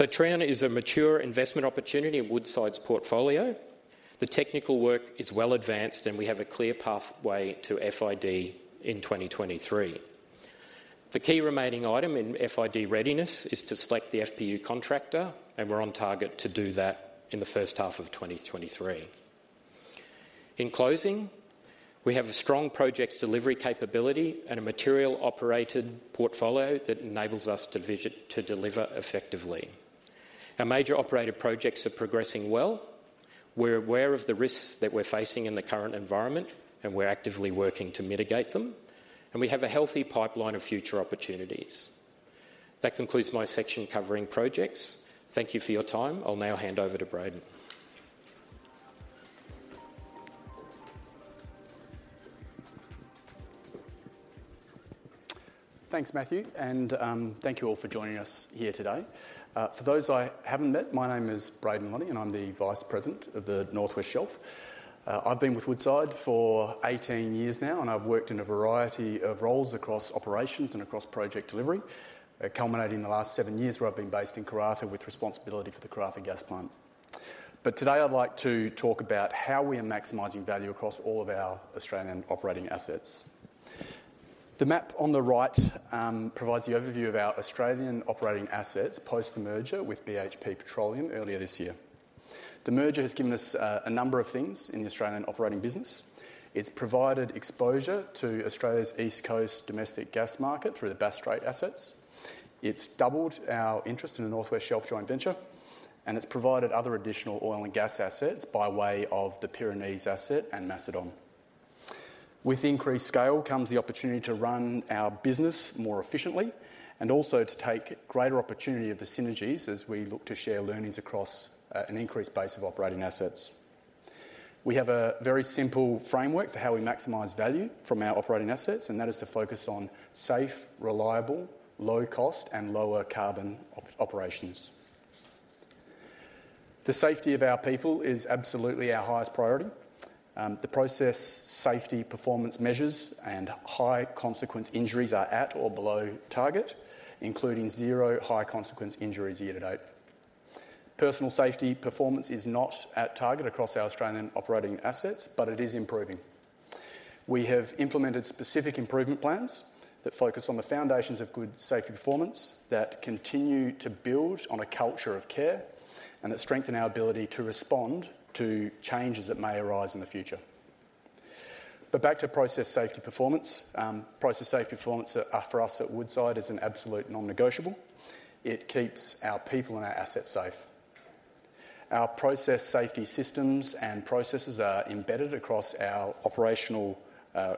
Trion is a mature investment opportunity in Woodside's portfolio. The technical work is well advanced, and we have a clear pathway to FID in 2023. The key remaining item in FID readiness is to select the FPU contractor, and we're on target to do that in the first half of 2023. In closing, we have a strong projects delivery capability and a material operated portfolio that enables us to deliver effectively. Our major operator projects are progressing well. We're aware of the risks that we're facing in the current environment, and we're actively working to mitigate them, and we have a healthy pipeline of future opportunities. That concludes my section covering projects. Thank you for your time. I'll now hand over to Brayden.
Thanks, Matthew. Thank you all for joining us here today. For those I haven't met, my name is Breyden Lonnie, and I'm the vice president of the North West Shelf. I've been with Woodside for 18 years now, and I've worked in a variety of roles across operations and across project delivery, culminating in the last seven years where I've been based in Karratha with responsibility for the Karratha gas plant. Today I'd like to talk about how we are maximizing value across all of our Australian operating assets. The map on the right provides the overview of our Australian operating assets post the merger with BHP Petroleum earlier this year. The merger has given us a number of things in the Australian operating business. It's provided exposure to Australia's East Coast domestic gas market through the Bass Strait assets. It's doubled our interest in the North West Shelf joint venture, and it's provided other additional oil and gas assets by way of the Pyrenees asset and Macedon. With increased scale comes the opportunity to run our business more efficiently and also to take greater opportunity of the synergies as we look to share learnings across an increased base of operating assets. We have a very simple framework for how we maximize value from our operating assets, and that is to focus on safe, reliable, low cost and lower carbon operations. The safety of our people is absolutely our highest priority. The process safety performance measures and high consequence injuries are at or below target, including zero high consequence injuries year to date. Personal safety performance is not at target across our Australian operating assets, but it is improving. We have implemented specific improvement plans that focus on the foundations of good safety performance that continue to build on a culture of care and that strengthen our ability to respond to changes that may arise in the future. Back to process safety performance. Process safety performance for us at Woodside is an absolute non-negotiable. It keeps our people and our assets safe. Our process safety systems and processes are embedded across our operational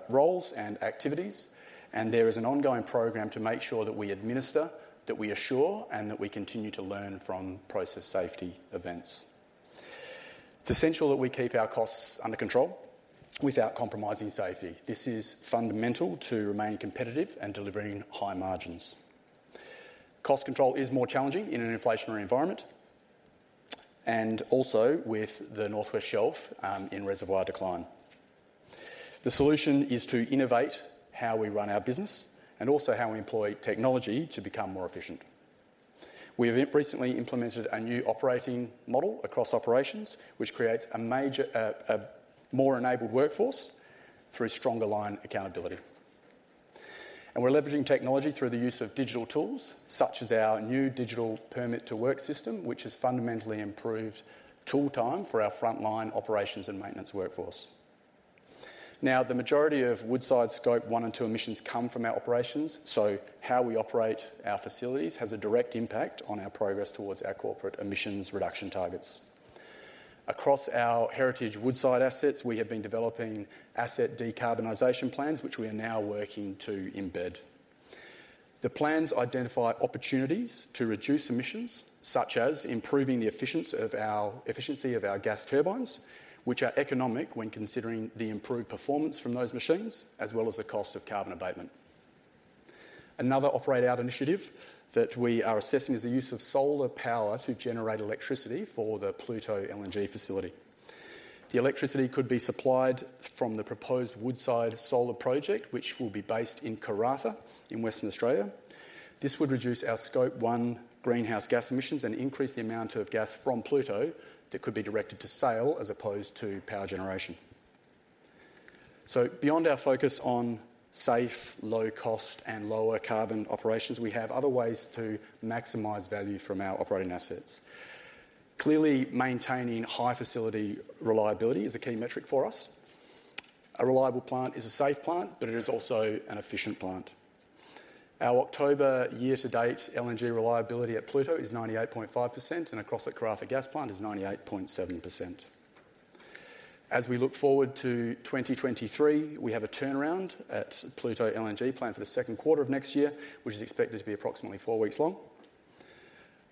roles and activities, and there is an ongoing program to make sure that we administer, that we assure, and that we continue to learn from process safety events. It's essential that we keep our costs under control without compromising safety. This is fundamental to remain competitive and delivering high margins. Cost control is more challenging in an inflationary environment and also with the North West Shelf in reservoir decline. The solution is to innovate how we run our business and also how we employ technology to become more efficient. We have recently implemented a new operating model across operations, which creates a major, a more enabled workforce through stronger line accountability. We're leveraging technology through the use of digital tools, such as our new digital permit to work system, which has fundamentally improved tool time for our frontline operations and maintenance workforce. The majority of Woodside Scope 1 and 2 emissions come from our operations, so how we operate our facilities has a direct impact on our progress towards our corporate emissions reduction targets. Across our heritage Woodside assets, we have been developing asset decarbonization plans which we are now working to embed. The plans identify opportunities to reduce emissions, such as improving the efficiency of our gas turbines, which are economic when considering the improved performance from those machines, as well as the cost of carbon abatement. Another operate out initiative that we are assessing is the use of solar power to generate electricity for the Pluto LNG facility. The electricity could be supplied from the proposed Woodside solar project, which will be based in Karratha in Western Australia. This would reduce our Scope 1 greenhouse gas emissions and increase the amount of gas from Pluto that could be directed to sale as opposed to power generation. Beyond our focus on safe, low cost and lower carbon operations, we have other ways to maximize value from our operating assets. Clearly, maintaining high facility reliability is a key metric for us. A reliable plant is a safe plant, but it is also an efficient plant. Our October year to date LNG reliability at Pluto is 98.5%, and across the Karratha Gas Plant is 98.7%. We look forward to 2023, we have a turnaround at Pluto LNG planned for the second quarter of next year, which is expected to be approximately four weeks long.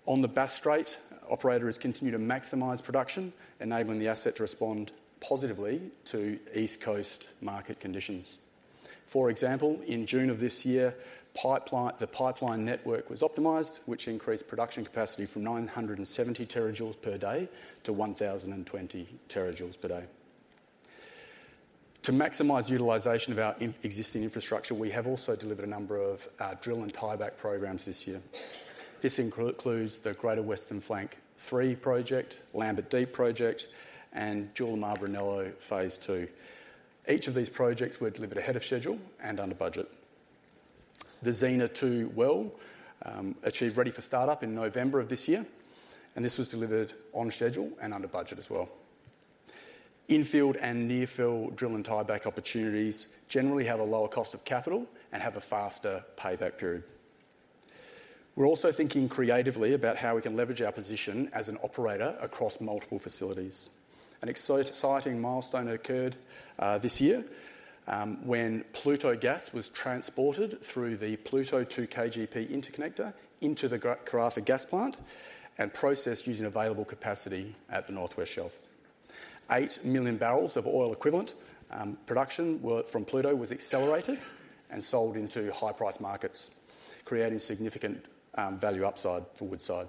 On the Bass Strait, operator has continued to maximize production, enabling the asset to respond positively to East Coast market conditions. For example, in June of this year, the pipeline network was optimized, which increased production capacity from 970 TJ per day to 1,020 TJ per day. To maximize utilization of our existing infrastructure, we have also delivered a number of drill and tieback programs this year. This includes the Greater Western Flank 3 project, Lambert Deep project, and Julimar-Brunello Phase 2. Each of these projects were delivered ahead of schedule and under budget. The Xena-2 Well achieved ready for startup in November of this year, and this was delivered on schedule and under budget as well. Infield and near field drill and tieback opportunities generally have a lower cost of capital and have a faster payback period. We're also thinking creatively about how we can leverage our position as an operator across multiple facilities. An exciting milestone occurred this year when Pluto gas was transported through the Pluto-KGP Interconnector into the Karratha Gas Plant and processed using available capacity at the North West Shelf. 8 million barrels of oil equivalent from Pluto was accelerated and sold into high price markets, creating significant value upside for Woodside.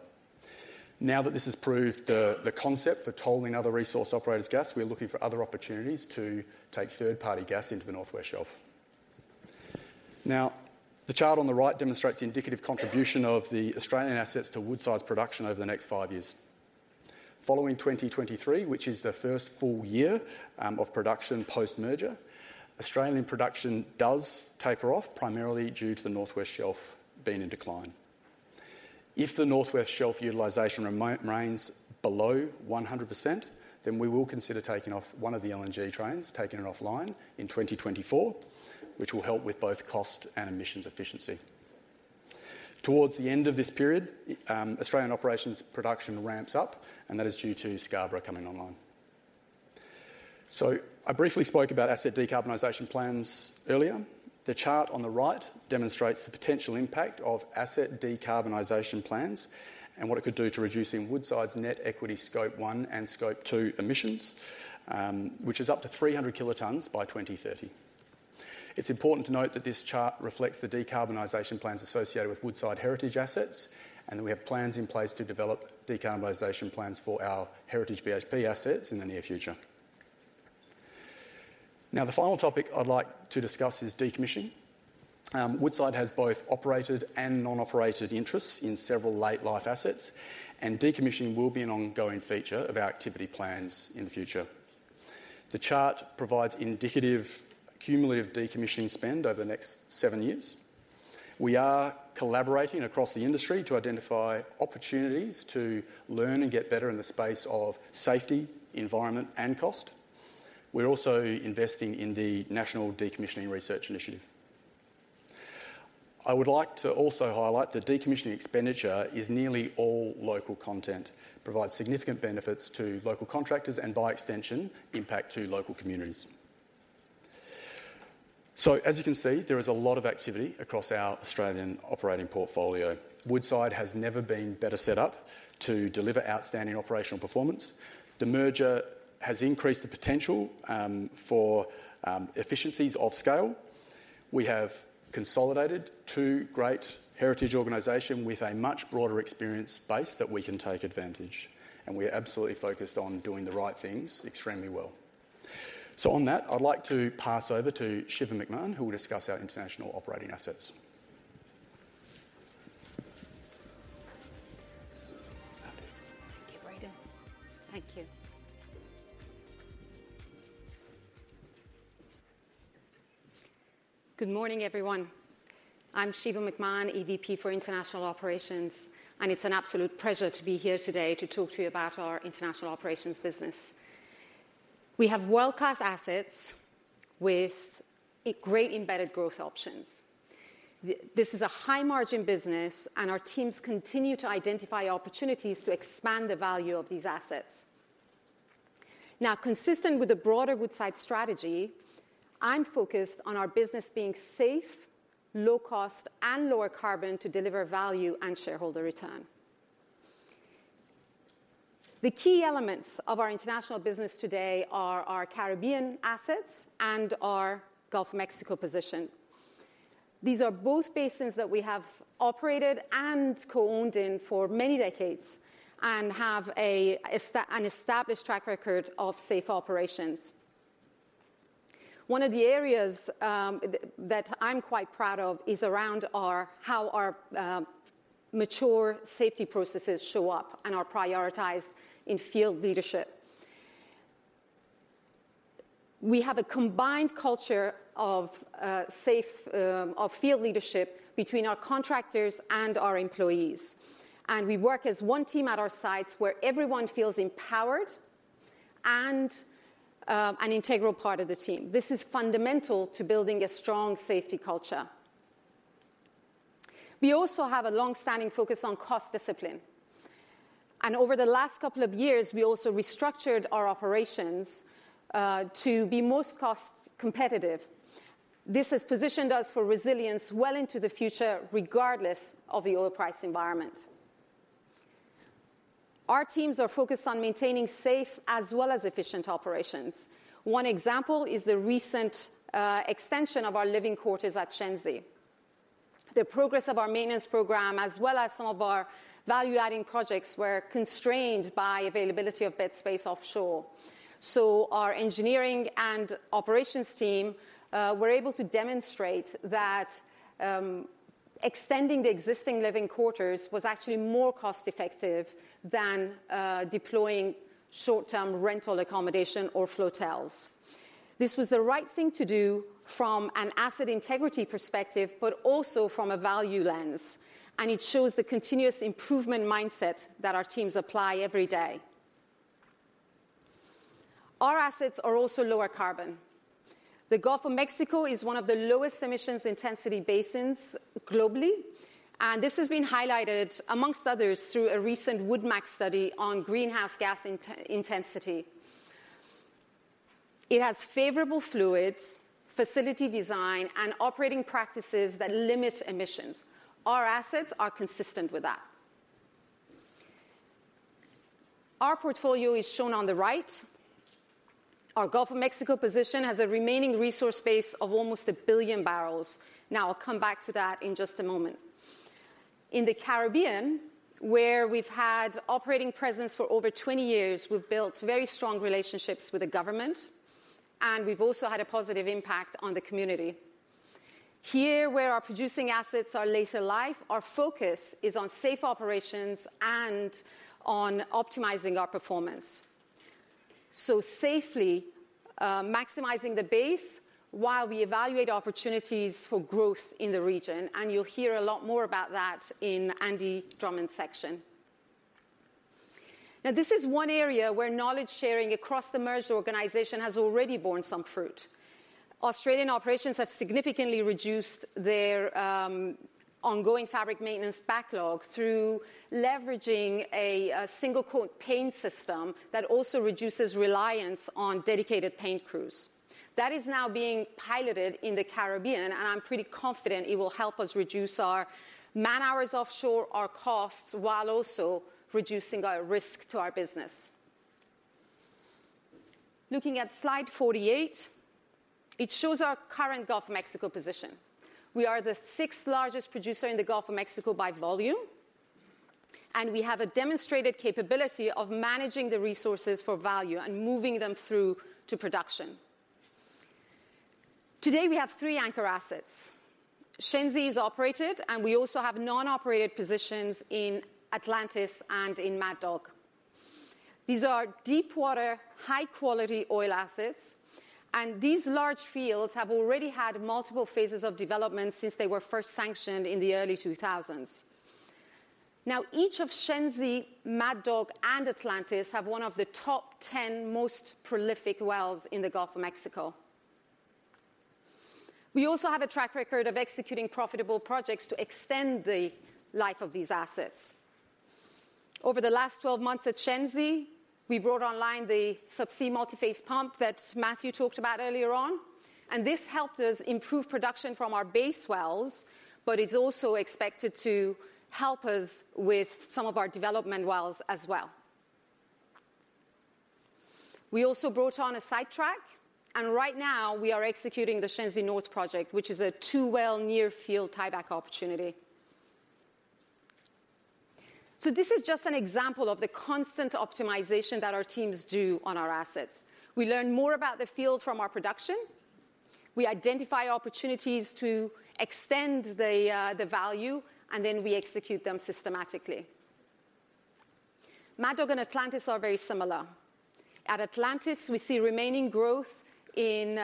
Now that this has proved the concept for tolling other resource operators' gas, we are looking for other opportunities to take third-party gas into the North West Shelf. The chart on the right demonstrates the indicative contribution of the Australian assets to Woodside's production over the next five years. Following 2023, which is the first full year of production post-merger, Australian production does taper off primarily due to the North West Shelf being in decline. If the North West Shelf utilization remains below 100%, we will consider taking off one of the LNG trains, taking it offline in 2024, which will help with both cost and emissions efficiency. Towards the end of this period, Australian operations production ramps up, and that is due to Scarborough coming online. I briefly spoke about asset decarbonization plans earlier. The chart on the right demonstrates the potential impact of asset decarbonization plans and what it could do to reducing Woodside's net equity Scope 1 and Scope 2 emissions, which is up to 300 kt by 2030. It's important to note that this chart reflects the decarbonization plans associated with Woodside Heritage assets, and that we have plans in place to develop decarbonization plans for our Heritage BHP assets in the near future. The final topic I'd like to discuss is decommissioning. Woodside has both operated and non-operated interests in several late life assets, and decommissioning will be an ongoing feature of our activity plans in the future. The chart provides indicative cumulative decommissioning spend over the next seven years. We are collaborating across the industry to identify opportunities to learn and get better in the space of safety, environment, and cost. We're also investing in the National Decommissioning Research Initiative. I would like to also highlight that decommissioning expenditure is nearly all local content, provides significant benefits to local contractors, and by extension, impact to local communities. As you can see, there is a lot of activity across our Australian operating portfolio. Woodside has never been better set up to deliver outstanding operational performance. The merger has increased the potential for efficiencies of scale. We have consolidated two great heritage organization with a much broader experience base that we can take advantage, and we are absolutely focused on doing the right things extremely well. On that, I'd like to pass over to Shiva McMahon, who will discuss our International operating assets.
Thank you. Good morning, everyone. I'm Shiva McMahon, EVP for International Operations, and it's an absolute pleasure to be here today to talk to you about our International operations business. We have world-class assets with a great embedded growth options. This is a high-margin business, and our teams continue to identify opportunities to expand the value of these assets. Consistent with the broader Woodside strategy, I'm focused on our business being safe, low cost, and lower carbon to deliver value and shareholder return. The key elements of our International business today are our Caribbean assets and our Gulf of Mexico position. These are both basins that we have operated and co-owned in for many decades and have an established track record of safe operations. One of the areas that I'm quite proud of is around how our mature safety processes show up and are prioritized in field leadership. We have a combined culture of safe of field leadership between our contractors and our employees. We work as one team at our sites where everyone feels empowered and an integral part of the team. This is fundamental to building a strong safety culture. We also have a long-standing focus on cost discipline. Over the last couple of years, we also restructured our operations to be most cost competitive. This has positioned us for resilience well into the future, regardless of the oil price environment. Our teams are focused on maintaining safe as well as efficient operations. One example is the recent extension of our living quarters at Shenzi. The progress of our maintenance program, as well as some of our value-adding projects, were constrained by availability of bed space offshore. Our engineering and operations team were able to demonstrate that extending the existing living quarters was actually more cost effective than deploying short-term rental accommodation or flotels. This was the right thing to do from an asset integrity perspective, but also from a value lens. It shows the continuous improvement mindset that our teams apply every day. Our assets are also lower carbon. The Gulf of Mexico is one of the lowest emissions intensity basins globally, and this has been highlighted amongst others through a recent Wood Mackenzie study on greenhouse gas intensity. It has favorable fluids, facility design, and operating practices that limit emissions. Our assets are consistent with that. Our portfolio is shown on the right. Our Gulf of Mexico position has a remaining resource base of almost 1 billion barrels. I'll come back to that in just a moment. In the Caribbean, where we've had operating presence for over 20 years, we've built very strong relationships with the government, and we've also had a positive impact on the community. Here, where our producing assets are later life, our focus is on safe operations and on optimizing our performance. Safely maximizing the base while we evaluate opportunities for growth in the region, and you'll hear a lot more about that in Andy Drummond's section. This is one area where knowledge-sharing across the merged organization has already borne some fruit. Australian operations have significantly reduced their ongoing fabric maintenance backlog through leveraging a single-coat paint system that also reduces reliance on dedicated paint crews. That is now being piloted in the Caribbean, and I'm pretty confident it will help us reduce our man-hours offshore, our costs, while also reducing our risk to our business. Looking at slide 48, it shows our current Gulf of Mexico position. We are the 6th largest producer in the Gulf of Mexico by volume, and we have a demonstrated capability of managing the resources for value and moving them through to production. Today, we have three anchor assets. Shenzi is operated, and we also have non-operated positions in Atlantis and in Mad Dog. These are deepwater, high-quality oil assets, and these large fields have already had multiple phases of development since they were first sanctioned in the early 2000s. Each of Shenzi, Mad Dog, and Atlantis have one of the top 10 most prolific wells in the Gulf of Mexico. We also have a track record of executing profitable projects to extend the life of these assets. Over the last 12 months at Shenzi, we brought online the subsea multiphase pump that Matthew talked about earlier on. This helped us improve production from our base wells, it's also expected to help us with some of our development wells as well. We also brought on a sidetrack. Right now we are executing the Shenzi North project, which is a two-well near-field tieback opportunity. This is just an example of the constant optimization that our teams do on our assets. We learn more about the field from our production. We identify opportunities to extend the value. We execute them systematically. Mad Dog and Atlantis are very similar. At Atlantis, we see remaining growth in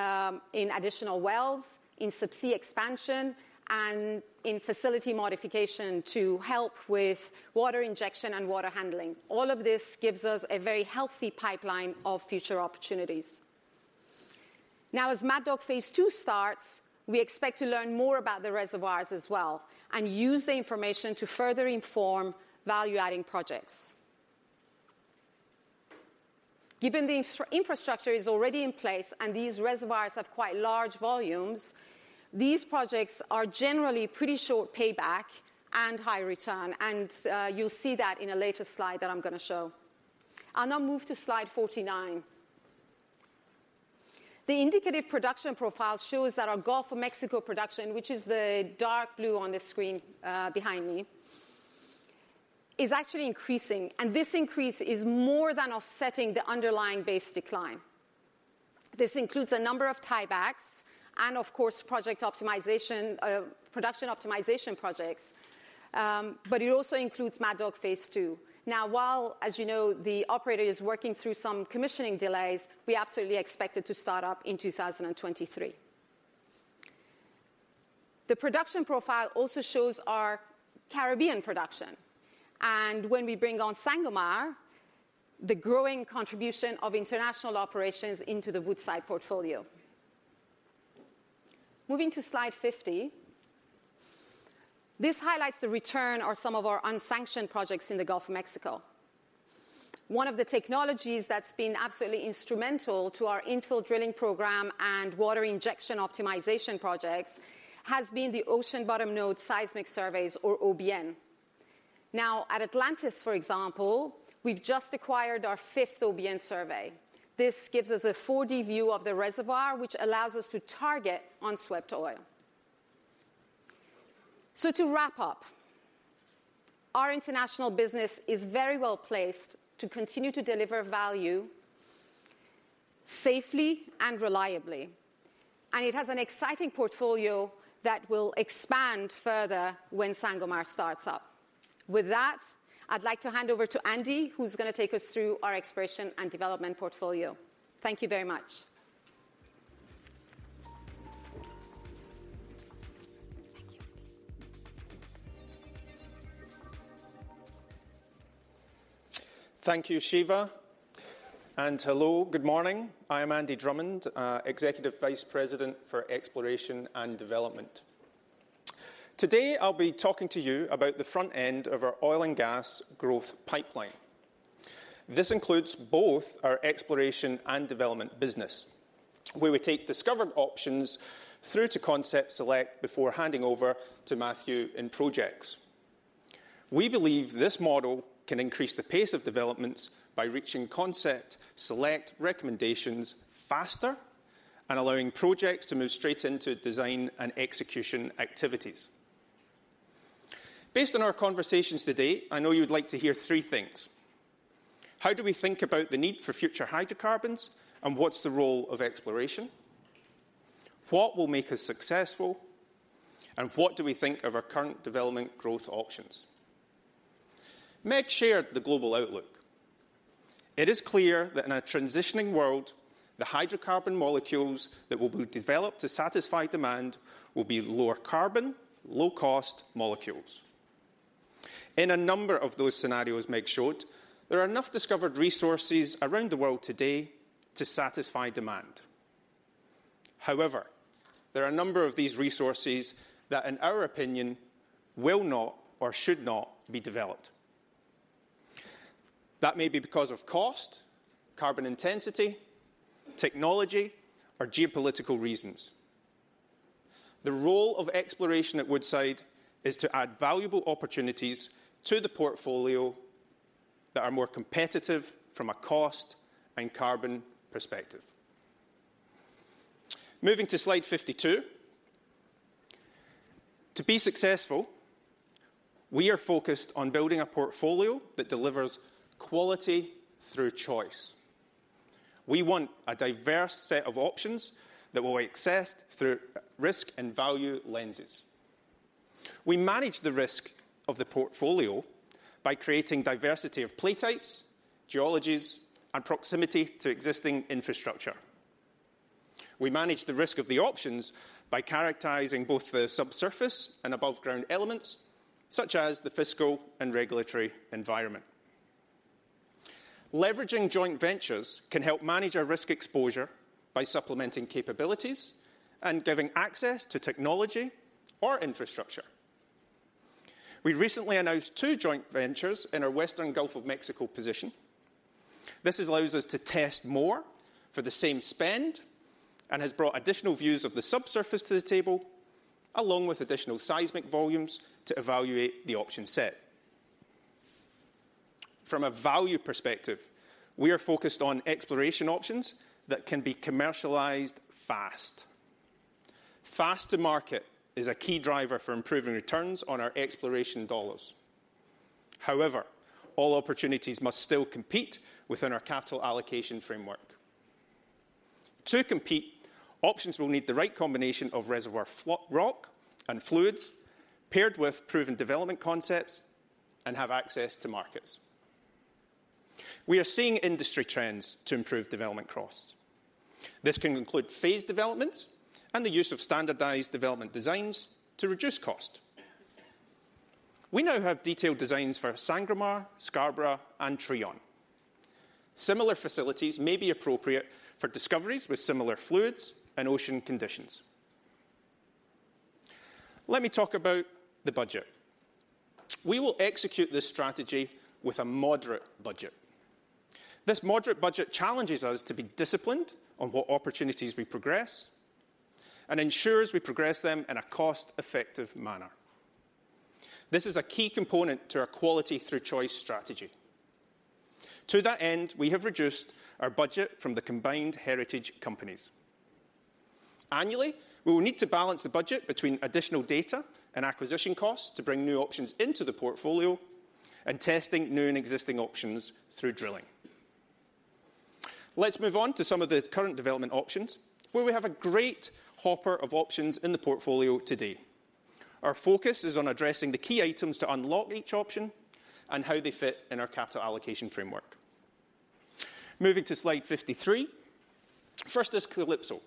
additional wells, in subsea expansion, and in facility modification to help with water injection and water handling. All of this gives us a very healthy pipeline of future opportunities. As Mad Dog Phase 2 starts, we expect to learn more about the reservoirs as well and use the information to further inform value-adding projects. Given the infrastructure is already in place and these reservoirs have quite large volumes, these projects are generally pretty short payback and high return, and you'll see that in a later slide that I'm gonna show. I'll now move to slide 49. The indicative production profile shows that our Gulf of Mexico production, which is the dark blue on the screen behind me, is actually increasing, and this increase is more than offsetting the underlying base decline. This includes a number of tiebacks and, of course, project optimization, production optimization projects, it also includes Mad Dog Phase 2. While, as you know, the operator is working through some commissioning delays, we absolutely expect it to start up in 2023. The production profile also shows our Caribbean production, and when we bring on Sangomar, the growing contribution of International operations into the Woodside portfolio. Moving to slide 50. This highlights the return or some of our unsanctioned projects in the Gulf of Mexico. One of the technologies that's been absolutely instrumental to our infill drilling program and water injection optimization projects has been the ocean bottom node seismic surveys, or OBN. At Atlantis, for example, we've just acquired our fifth OBN survey. This gives us a 4D view of the reservoir, which allows us to target unswept oil. To wrap up, our International business is very well-placed to continue to deliver value safely and reliably. It has an exciting portfolio that will expand further when Sangomar starts up. With that, I'd like to hand over to Andy, who's gonna take us through our exploration and development portfolio. Thank you very much.
Thank you. Thank you, Shiva. Hello, good morning. I am Andy Drummond, Executive Vice President for Exploration and Development. Today, I'll be talking to you about the front end of our oil and gas growth pipeline. This includes both our exploration and development business, where we take discovered options through to concept select before handing over to Matthew in Projects. We believe this model can increase the pace of developments by reaching concept select recommendations faster and allowing projects to move straight into design and execution activities. Based on our conversations to date, I know you would like to hear three things: How do we think about the need for future hydrocarbons, and what's the role of exploration? What will make us successful? What do we think of our current development growth options? Meg shared the global outlook. It is clear that in a transitioning world, the hydrocarbon molecules that will be developed to satisfy demand will be lower carbon, low-cost molecules. In a number of those scenarios Meg showed, there are enough discovered resources around the world today to satisfy demand. However, there are a number of these resources that, in our opinion, will not or should not be developed. That may be because of cost, carbon intensity, technology, or geopolitical reasons. The role of exploration at Woodside is to add valuable opportunities to the portfolio that are more competitive from a cost and carbon perspective. Moving to slide 52. To be successful, we are focused on building a portfolio that delivers quality through choice. We want a diverse set of options that will be assessed through risk and value lenses. We manage the risk of the portfolio by creating diversity of play types, geologies, and proximity to existing infrastructure. We manage the risk of the options by characterizing both the subsurface and above-ground elements, such as the fiscal and regulatory environment. Leveraging joint ventures can help manage our risk exposure by supplementing capabilities and giving access to technology or infrastructure. We recently announced two joint ventures in our Western Gulf of Mexico position. This allows us to test more for the same spend and has brought additional views of the subsurface to the table, along with additional seismic volumes to evaluate the option set. From a value perspective, we are focused on exploration options that can be commercialized fast. Fast to market is a key driver for improving returns on our exploration dollars. However, all opportunities must still compete within our capital allocation framework. To compete, options will need the right combination of reservoir rock and fluids paired with proven development concepts and have access to markets. We are seeing industry trends to improve development costs. This can include phased developments and the use of standardized development designs to reduce cost. We now have detailed designs for Sangomar, Scarborough, and Trion. Similar facilities may be appropriate for discoveries with similar fluids and ocean conditions. Let me talk about the budget. We will execute this strategy with a moderate budget. This moderate budget challenges us to be disciplined on what opportunities we progress and ensures we progress them in a cost-effective manner. This is a key component to our quality through choice strategy. To that end, we have reduced our budget from the combined heritage companies. Annually, we will need to balance the budget between additional data and acquisition costs to bring new options into the portfolio and testing new and existing options through drilling. Let's move on to some of the current development options where we have a great hopper of options in the portfolio today. Our focus is on addressing the key items to unlock each option and how they fit in our capital allocation framework. Moving to slide 53. First is Calypso,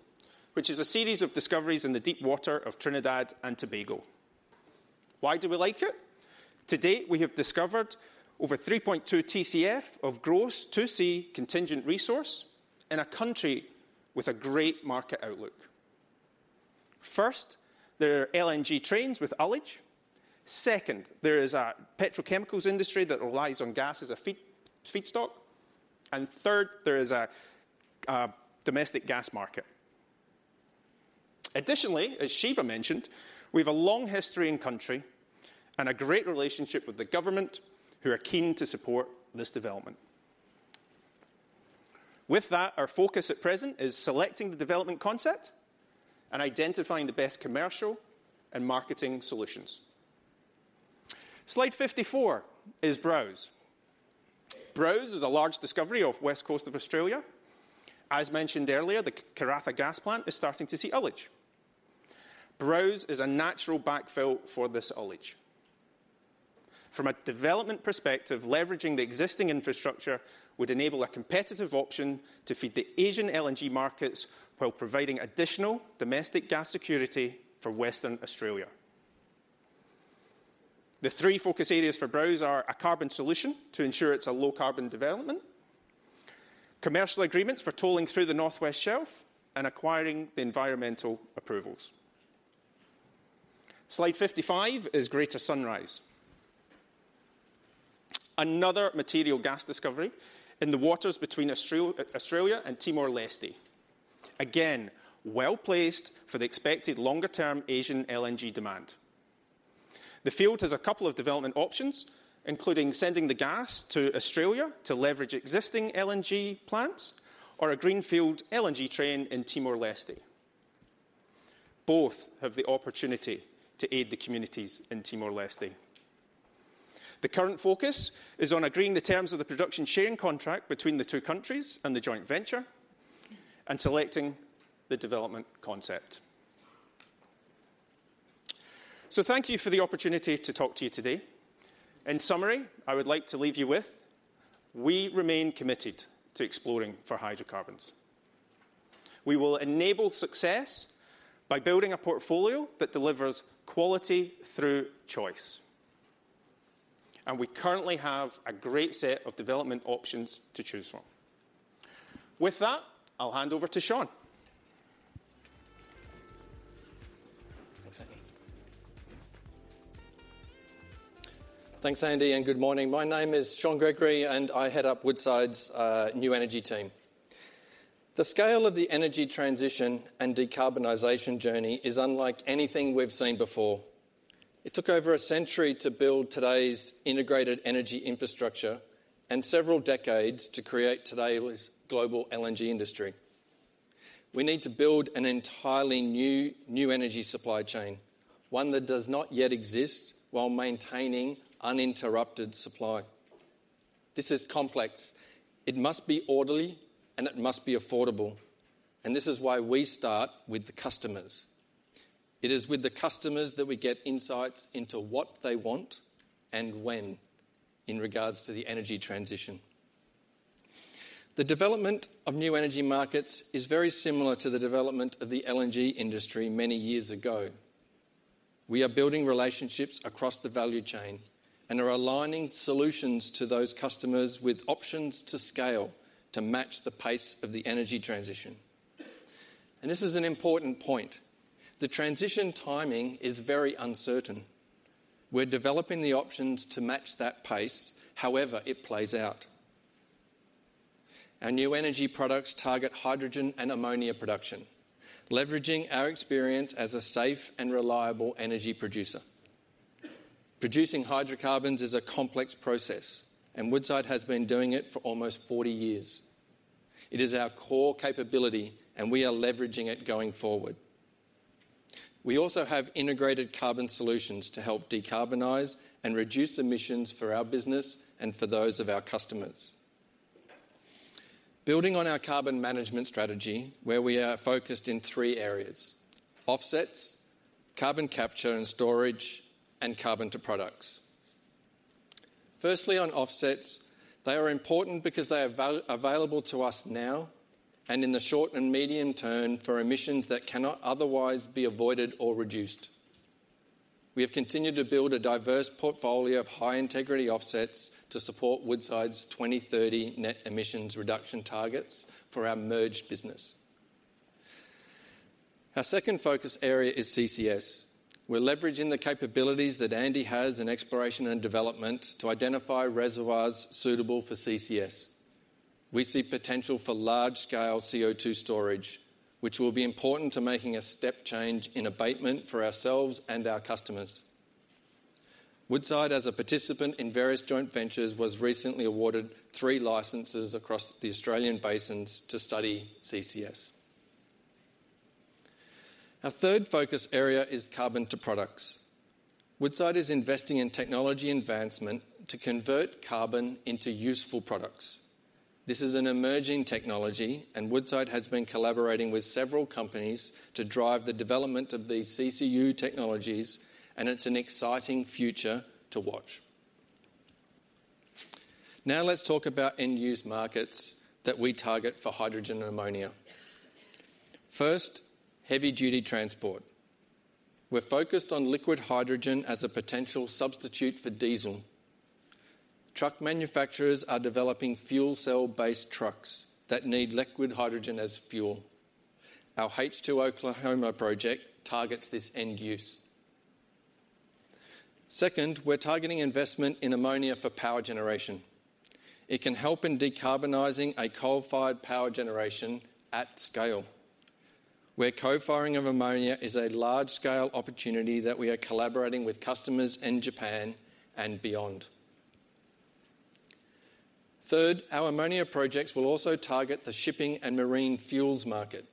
which is a series of discoveries in the deep water of Trinidad and Tobago. Why do we like it? To date, we have discovered over 3.2 TCF of gross 2C contingent resource in a country with a great market outlook. First, there are LNG trains with ullage. Second, there is a petrochemicals industry that relies on gas as a feedstock. Third, there is a domestic gas market. As Shiva McMahon mentioned, we have a long history in country and a great relationship with the government who are keen to support this development. With that, our focus at present is selecting the development concept and identifying the best commercial and marketing solutions. Slide 54 is Browse. Browse is a large discovery off west coast of Australia. As mentioned earlier, the Karratha Gas Plant is starting to see ullage. Browse is a natural backfill for this ullage. From a development perspective, leveraging the existing infrastructure would enable a competitive option to feed the Asian LNG markets while providing additional domestic gas security for Western Australia. The three focus areas for Browse are a carbon solution to ensure it's a low-carbon development, commercial agreements for tolling through the North West Shelf, and acquiring the environmental approvals. Slide 55 is Greater Sunrise. Another material gas discovery in the waters between Australia and Timor-Leste. Again, well-placed for the expected longer-term Asian LNG demand. The field has a couple of development options, including sending the gas to Australia to leverage existing LNG plants or a greenfield LNG train in Timor-Leste. Both have the opportunity to aid the communities in Timor-Leste. The current focus is on agreeing the terms of the production sharing contract between the two countries and the joint venture and selecting the development concept. Thank you for the opportunity to talk to you today. In summary, I would like to leave you with, we remain committed to exploring for hydrocarbons. We will enable success by building a portfolio that delivers quality through choice, and we currently have a great set of development options to choose from. With that, I'll hand over to Shaun. Thanks, Andy.
Thanks, Andy. Good morning. My name is Shaun Gregory. I head up Woodside's new energy team. The scale of the energy transition and decarbonization journey is unlike anything we've seen before. It took over a century to build today's integrated energy infrastructure and several decades to create today's global LNG industry. We need to build an entirely new energy supply chain, one that does not yet exist while maintaining uninterrupted supply. This is complex. It must be orderly. It must be affordable. This is why we start with the customers. It is with the customers that we get insights into what they want and when in regards to the energy transition. The development of new energy markets is very similar to the development of the LNG industry many years ago. We are building relationships across the value chain and are aligning solutions to those customers with options to scale to match the pace of the energy transition. This is an important point. The transition timing is very uncertain. We're developing the options to match that pace however it plays out. Our new energy products target hydrogen and ammonia production, leveraging our experience as a safe and reliable energy producer. Producing hydrocarbons is a complex process, and Woodside has been doing it for almost 40 years. It is our core capability, and we are leveraging it going forward. We also have integrated carbon solutions to help decarbonize and reduce emissions for our business and for those of our customers. Building on our carbon management strategy, where we are focused in three areas: offsets, carbon capture and storage, and carbon to products. On offsets, they are important because they are available to us now and in the short and medium term for emissions that cannot otherwise be avoided or reduced. We have continued to build a diverse portfolio of high-integrity offsets to support Woodside's 2030 net emissions reduction targets for our merged business. Our second focus area is CCS. We're leveraging the capabilities that Andy has in exploration and development to identify reservoirs suitable for CCS. We see potential for large-scale CO₂ storage, which will be important to making a step change in abatement for ourselves and our customers. Woodside, as a participant in various joint ventures, was recently awarded three licenses across the Australian basins to study CCS. Our third focus area is carbon to products. Woodside is investing in technology advancement to convert carbon into useful products. This is an emerging technology. Woodside has been collaborating with several companies to drive the development of these CCU technologies. It's an exciting future to watch. Let's talk about end-use markets that we target for hydrogen and ammonia. First, heavy-duty transport. We're focused on liquid hydrogen as a potential substitute for diesel. Truck manufacturers are developing fuel cell-based trucks that need liquid hydrogen as fuel. Our H2Oklahoma project targets this end use. Second, we're targeting investment in ammonia for power generation. It can help in decarbonizing a coal-fired power generation at scale, where co-firing of ammonia is a large-scale opportunity that we are collaborating with customers in Japan and beyond. Third, our ammonia projects will also target the shipping and marine fuels market.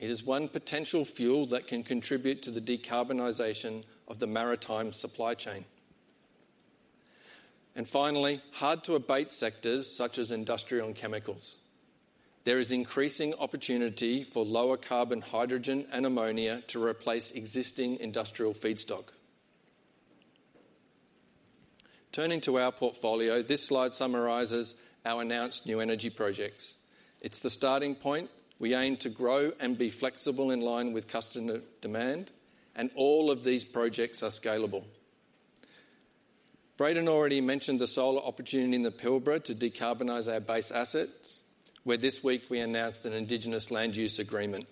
It is one potential fuel that can contribute to the decarbonization of the maritime supply chain. Finally, hard-to-abate sectors such as industrial and chemicals. There is increasing opportunity for lower carbon hydrogen and ammonia to replace existing industrial feedstock. Turning to our portfolio, this slide summarizes our announced new energy projects. It's the starting point. We aim to grow and be flexible in line with customer demand. All of these projects are scalable. Brayden already mentioned the solar opportunity in the Pilbara to decarbonize our base assets, where this week we announced an indigenous land use agreement.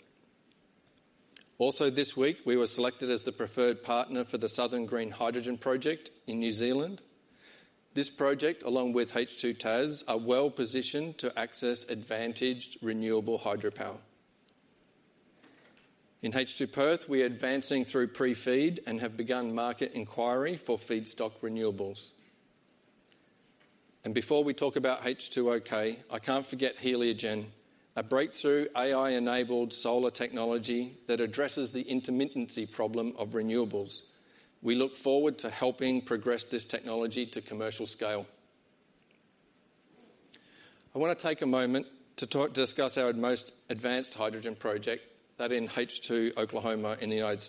Also this week, we were selected as the preferred partner for the Southern Green Hydrogen Project in New Zealand. This project, along with H2TAS, are well-positioned to access advantaged renewable hydropower. In H2Perth, we are advancing through pre-FEED and have begun market inquiry for feedstock renewables. Before we talk about H2OK, I can't forget Heliogen, a breakthrough AI-enabled solar technology that addresses the intermittency problem of renewables. We look forward to helping progress this technology to commercial scale. I want to take a moment to discuss our most advanced hydrogen project that in H2OK in the U.S.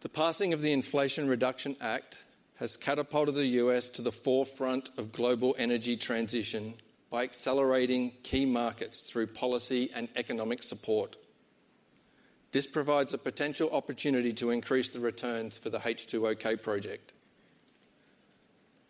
The passing of the Inflation Reduction Act has catapulted the U.S. to the forefront of global energy transition by accelerating key markets through policy and economic support. This provides a potential opportunity to increase the returns for the H2OK project.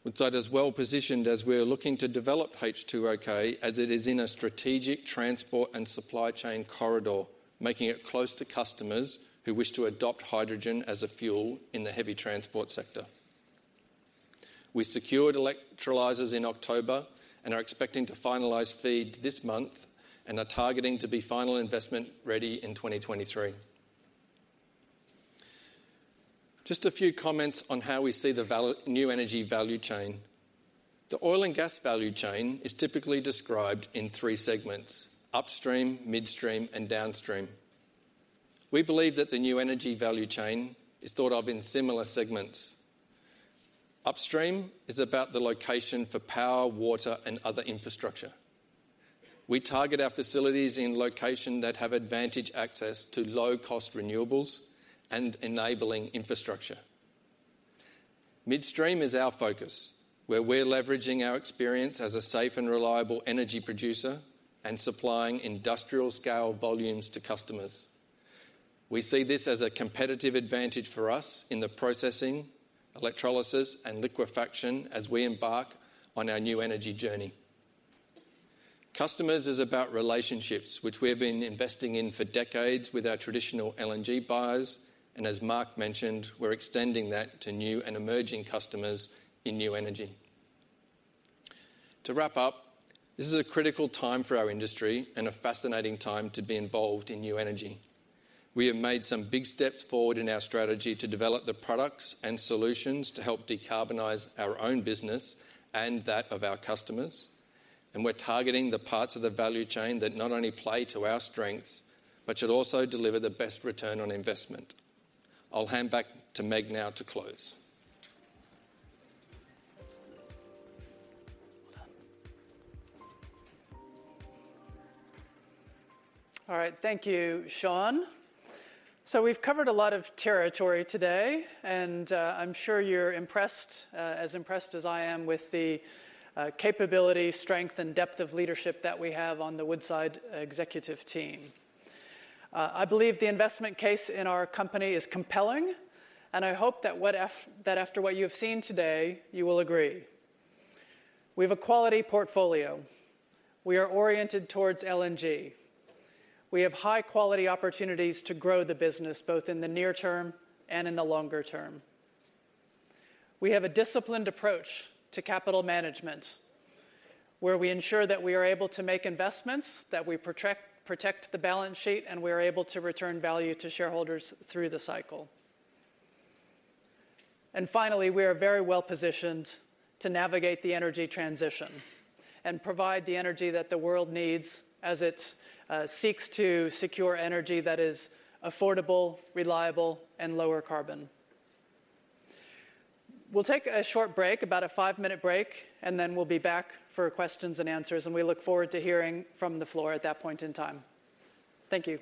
Woodside is well-positioned as we are looking to develop H2OK, as it is in a strategic transport and supply chain corridor, making it close to customers who wish to adopt hydrogen as a fuel in the heavy transport sector. We secured electrolysers in October and are expecting to finalize FEED this month and are targeting to be final investment ready in 2023. Just a few comments on how we see the new energy value chain. The oil and gas value chain is typically described in three segments: upstream, midstream, and downstream. We believe that the new energy value chain is thought of in similar segments. Upstream is about the location for power, water, and other infrastructure. We target our facilities in location that have advantage access to low-cost renewables and enabling infrastructure. Midstream is our focus, where we're leveraging our experience as a safe and reliable energy producer and supplying industrial-scale volumes to customers. We see this as a competitive advantage for us in the processing, electrolysis, and liquefaction as we embark on our new energy journey. Customers is about relationships, which we have been investing in for decades with our traditional LNG buyers, as Mark mentioned, we're extending that to new and emerging customers in new energy. To wrap up, this is a critical time for our industry and a fascinating time to be involved in new energy. We have made some big steps forward in our strategy to develop the products and solutions to help decarbonize our own business and that of our customers. We're targeting the parts of the value chain that not only play to our strengths, but should also deliver the best return on investment. I'll hand back to Meg now to close.
All right. Thank you, Shaun. We've covered a lot of territory today, and I'm sure you're impressed as impressed as I am with the capability, strength, and depth of leadership that we have on the Woodside executive team. I believe the investment case in our company is compelling, and I hope that after what you have seen today, you will agree. We have a quality portfolio. We are oriented towards LNG. We have high-quality opportunities to grow the business, both in the near term and in the longer term. We have a disciplined approach to capital management, where we ensure that we are able to make investments, that we protect the balance sheet, and we are able to return value to shareholders through the cycle. Finally, we are very well-positioned to navigate the energy transition and provide the energy that the world needs as it seeks to secure energy that is affordable, reliable, and lower carbon. We'll take a short break, about a five-minute break, and then we'll be back for questions and answers, and we look forward to hearing from the floor at that point in time. Thank you.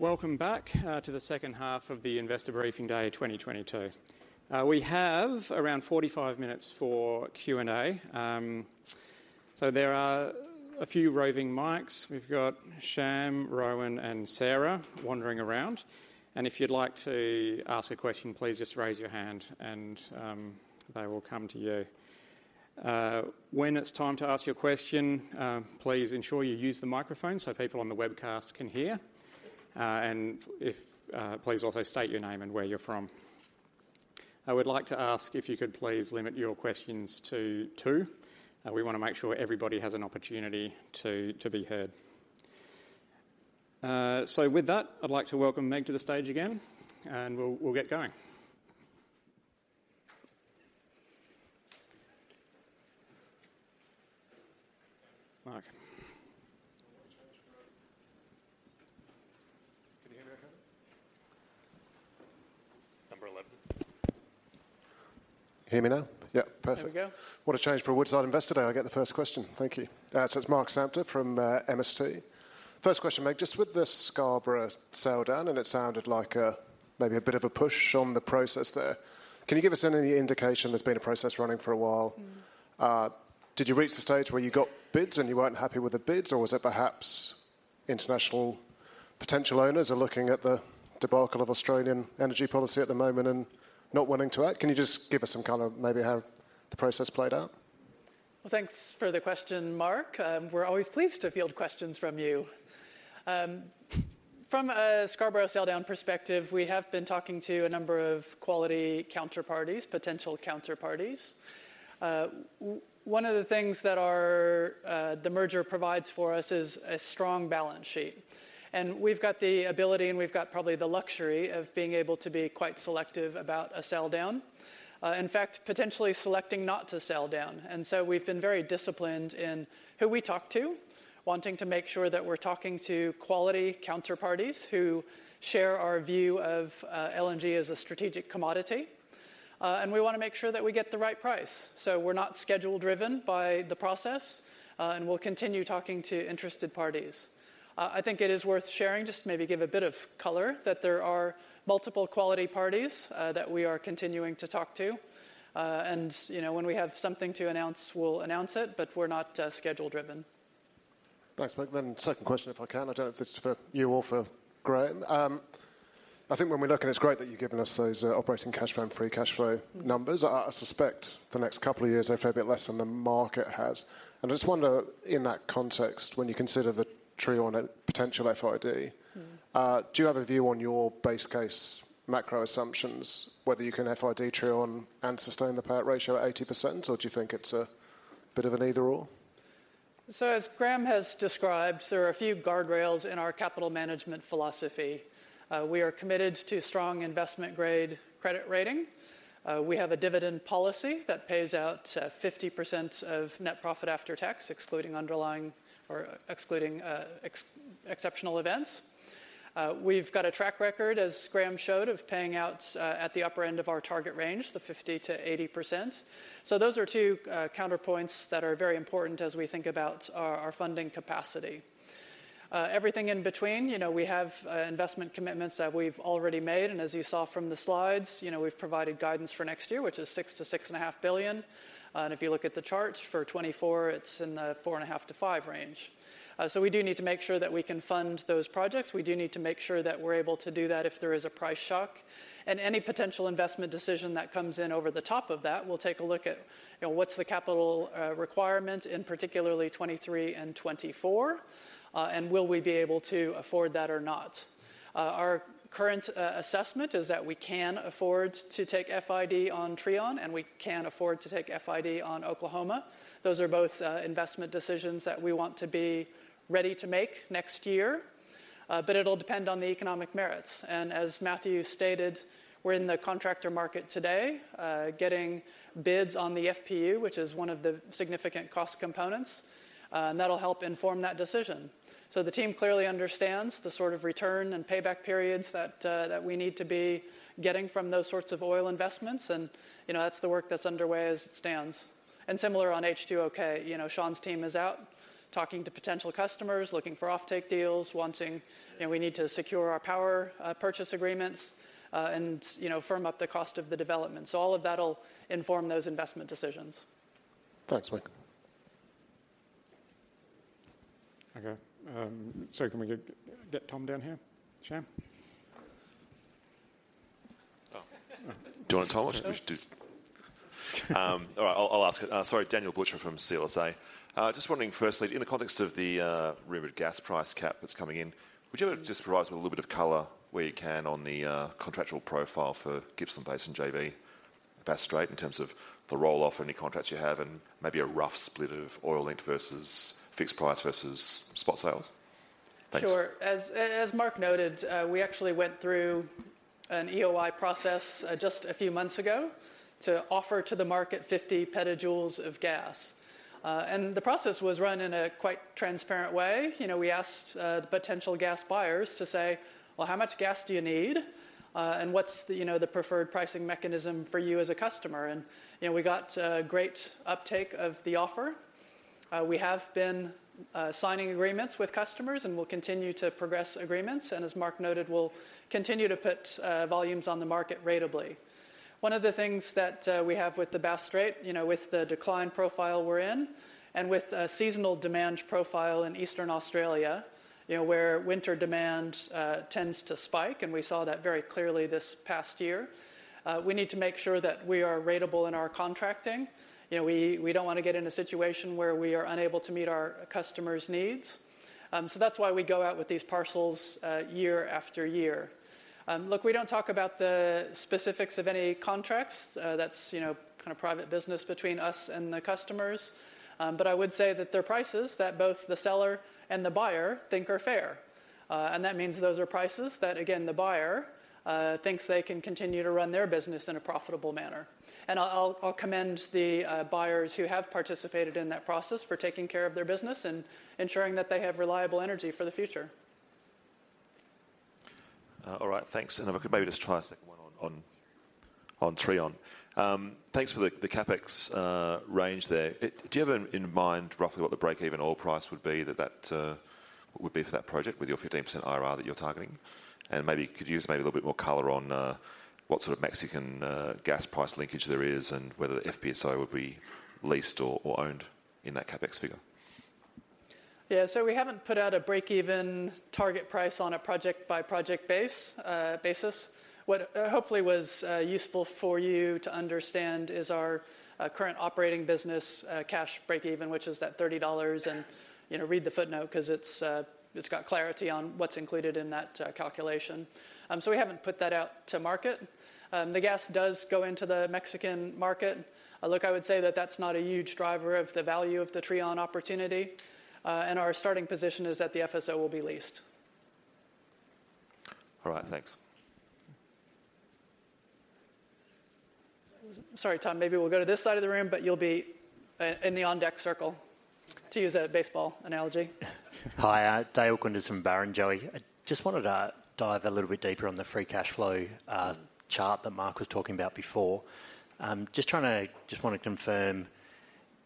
Welcome back to the second half of the Investor Briefing Day 2022. We have around 45 minutes for Q&A. There are a few roving mics. We've got Sham, Rowan, and Sarah wandering around. If you'd like to ask a question, please just raise your hand and they will come to you. When it's time to ask your question, please ensure you use the microphone so people on the webcast can hear. Please also state your name and where you're from. I would like to ask if you could please limit your questions to two. We wanna make sure everybody has an opportunity to be heard. With that, I'd like to welcome Meg to the stage again, and we'll get going. Mark.
Can you hear me okay?
Number 11.
Hear me now? Yeah. Perfect.
There we go.
What a change from Woodside Investor Day, I get the first question. Thank you. It's Mark Samter from MST. First question, Meg, just with the Scarborough sell down, and it sounded like maybe a bit of a push on the process there. Can you give us any indication there's been a process running for a while?
Mm-hmm.
Did you reach the stage where you got bids and you weren't happy with the bids, or was it perhaps international potential owners are looking at the debacle of Australian energy policy at the moment and not wanting to act? Can you just give us some color maybe how the process played out?
Well, thanks for the question, Mark. We're always pleased to field questions from you. From a Scarborough sell down perspective, we have been talking to a number of quality counterparties, potential counterparties. One of the things that our the merger provides for us is a strong balance sheet. We've got the ability, and we've got probably the luxury of being able to be quite selective about a sell down. In fact, potentially selecting not to sell down. We've been very disciplined in who we talk to, wanting to make sure that we're talking to quality counterparties who share our view of LNG as a strategic commodity. We wanna make sure that we get the right price. We're not schedule-driven by the process, we'll continue talking to interested parties. I think it is worth sharing, just to maybe give a bit of color, that there are multiple quality parties that we are continuing to talk to. You know, when we have something to announce, we'll announce it, but we're not schedule-driven.
Thanks, Meg. Second question, if I can. I don't know if this is for you or for Graham. I think when we look and it's great that you've given us those, operating cash flow and free cash flow numbers.
Mm-hmm.
I suspect the next couple of years, they favor a bit less than the market has. I just wonder, in that context, when you consider the Trion potential FID.
Mm-hmm.
Do you have a view on your base case macro assumptions, whether you can FID Trion and sustain the payout ratio at 80%, or do you think it's a bit of an either/or?
As Graham has described, there are a few guardrails in our capital management philosophy. We are committed to strong investment grade credit rating. We have a dividend policy that pays out 50% of net profit after tax, excluding underlying or excluding ex-exceptional events. We've got a track record, as Graham showed, of paying out at the upper end of our target range, the 50%-80%. Those are two counterpoints that are very important as we think about our funding capacity. Everything in between, you know, we have investment commitments that we've already made. As you saw from the slides, you know, we've provided guidance for next year, which is $6 billion-$6.5 billion. If you look at the charts for 2024, it's in the $4.5 billion-$5 billion range. We do need to make sure that we can fund those projects. We do need to make sure that we're able to do that if there is a price shock. Any potential investment decision that comes in over the top of that, we'll take a look at, you know, what's the capital requirement in particularly 2023 and 2024, and will we be able to afford that or not. Our current assessment is that we can afford to take FID on Trion, and we can afford to take FID on Oklahoma. Those are both investment decisions that we want to be ready to make next year. It'll depend on the economic merits. As Matthew stated, we're in the contractor market today, getting bids on the FPU, which is one of the significant cost components. That'll help inform that decision. The team clearly understands the sort of return and payback periods that we need to be getting from those sorts of oil investments. You know, that's the work that's underway as it stands. Similar on H2OK. You know, Shaun's team is out talking to potential customers, looking for offtake deals, wanting, you know, we need to secure our power, purchase agreements, and, you know, firm up the cost of the development. All of that'll inform those investment decisions.
Thanks, Meg.
Can we get Tom down here? Sham?
Do you want to Tom it? We should do. All right. I'll ask it. Sorry. Daniel Butcher from CLSA. Just wondering firstly, in the context of the rumored gas price cap that's coming in, would you ever just provide us with a little bit of color where you can on the contractual profile for Gippsland Basin JV, Bass Strait in terms of the roll-off, any contracts you have, and maybe a rough split of oil linked versus fixed price versus spot sales? Thanks.
Sure. As Mark noted, we actually went through an EOI process just a few months ago to offer to the market 50 PJ of gas. The process was run in a quite transparent way. You know, we asked the potential gas buyers to say, "Well, how much gas do you need?" What's the, you know, the preferred pricing mechanism for you as a customer? You know, we got great uptake of the offer. We have been signing agreements with customers, we'll continue to progress agreements. As Mark noted, we'll continue to put volumes on the market ratably. One of the things that we have with the Bass Strait, you know, with the decline profile we're in, and with a seasonal demand profile in Eastern Australia, you know, where winter demand tends to spike, and we saw that very clearly this past year, we need to make sure that we are ratable in our contracting. You know, we don't wanna get in a situation where we are unable to meet our customers' needs. That's why we go out with these parcels year after year. Look, we don't talk about the specifics of any contracts. That's, you know, kind of private business between us and the customers. I would say that they're prices that both the seller and the buyer think are fair. That means those are prices that, again, the buyer thinks they can continue to run their business in a profitable manner. I'll commend the buyers who have participated in that process for taking care of their business and ensuring that they have reliable energy for the future.
All right. Thanks. If I could maybe just try a second one on Trion. Thanks for the CapEx range there. Do you have in mind roughly what the breakeven oil price would be that would be for that project with your 15% IRR that you're targeting? Maybe could you give us maybe a little bit more color on what sort of Mexican gas price linkage there is and whether the FPSO would be leased or owned in that CapEx figure?
Yeah. We haven't put out a breakeven target price on a project-by-project basis. What hopefully was useful for you to understand is our current operating business cash breakeven, which is that $30. You know, read the footnote 'cause it's got clarity on what's included in that calculation. We haven't put that out to market. The gas does go into the Mexican market. Look, I would say that that's not a huge driver of the value of the Trion opportunity. Our starting position is that the FSO will be leased.
All right. Thanks.
Sorry, Tom. Maybe we'll go to this side of the room, but you'll be in the on-deck circle, to use a baseball analogy.
Dale Koenders from Barrenjoey. I just wanted to dive a little bit deeper on the free cash flow chart that Mark was talking about before.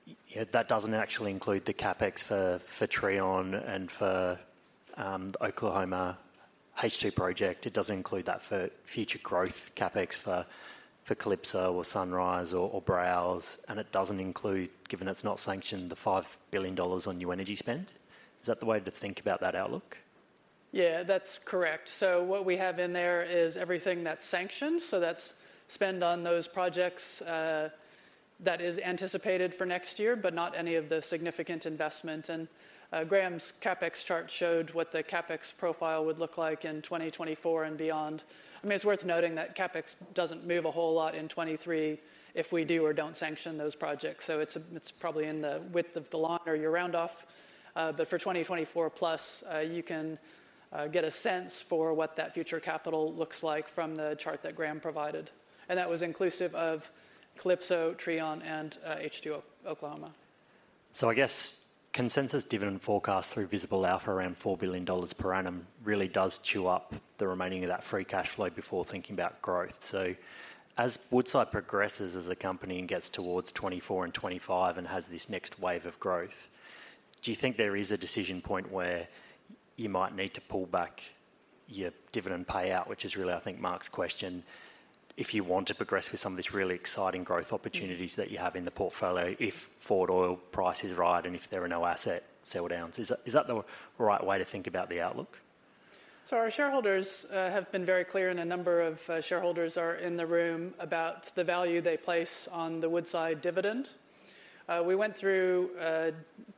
you know, that doesn't actually include the CapEx for Trion and for the Oklahoma H2 project. It doesn't include that for future growth CapEx for Calypso or Sunrise or Browse, and it doesn't include, given it's not sanctioned, the $5 billion on new energy spend. Is that the way to think about that outlook?
That's correct. What we have in there is everything that's sanctioned, so that's spend on those projects, that is anticipated for next year, but not any of the significant investment. Graham's CapEx chart showed what the CapEx profile would look like in 2024 and beyond. It's worth noting that CapEx doesn't move a whole lot in 2023 if we do or don't sanction those projects, so it's probably in the width of the line or your round off. But for 2024 plus, you can get a sense for what that future capital looks like from the chart that Graham provided. That was inclusive of Calypso, Trion and H2 Oklahoma.
I guess consensus dividend forecast through Visible Alpha around $4 billion per annum really does chew up the remaining of that free cash flow before thinking about growth. As Woodside progresses as a company and gets towards 2024 and 2025 and has this next wave of growth, do you know think there is a decision point where you might need to pull back your dividend payout, which is really, I think, Mark's question, if you want to progress with some of these really exciting growth opportunities that you have in the portfolio if forward oil price is right and if there are no asset sell downs? Is that the right way to think about the outlook?
Our shareholders have been very clear, and a number of shareholders are in the room about the value they place on the Woodside dividend. We went through a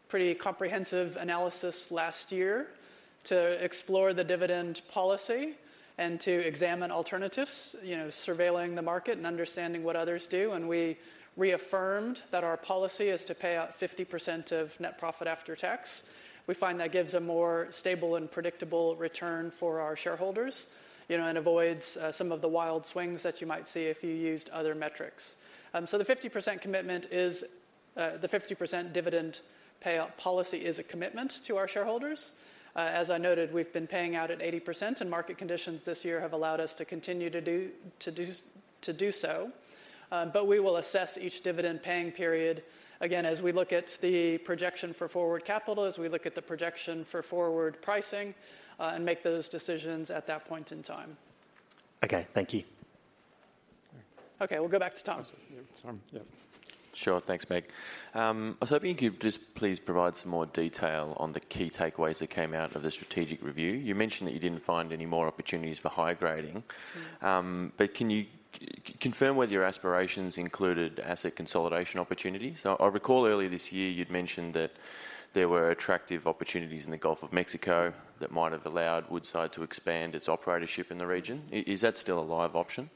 pretty comprehensive analysis last year to explore the dividend policy and to examine alternatives, you know, surveilling the market and understanding what others do, and we reaffirmed that our policy is to pay out 50% of net profit after tax. We find that gives a more stable and predictable return for our shareholders, you know, and avoids some of the wild swings that you might see if you used other metrics. The 50% commitment is the 50% dividend payout policy is a commitment to our shareholders. As I noted, we've been paying out at 80%. Market conditions this year have allowed us to continue to do so. We will assess each dividend paying period, again, as we look at the projection for forward capital, as we look at the projection for forward pricing. Make those decisions at that point in time.
Okay. Thank you.
Okay. We'll go back to Tom.
Tom. Yeah.
Sure. Thanks, Meg. I was hoping you'd just please provide some more detail on the key takeaways that came out of the strategic review. You mentioned that you didn't find any more opportunities for high grading.
Mm-hmm.
Can you confirm whether your aspirations included asset consolidation opportunities? I recall earlier this year you'd mentioned that there were attractive opportunities in the Gulf of Mexico that might have allowed Woodside to expand its operatorship in the region. Is that still a live option?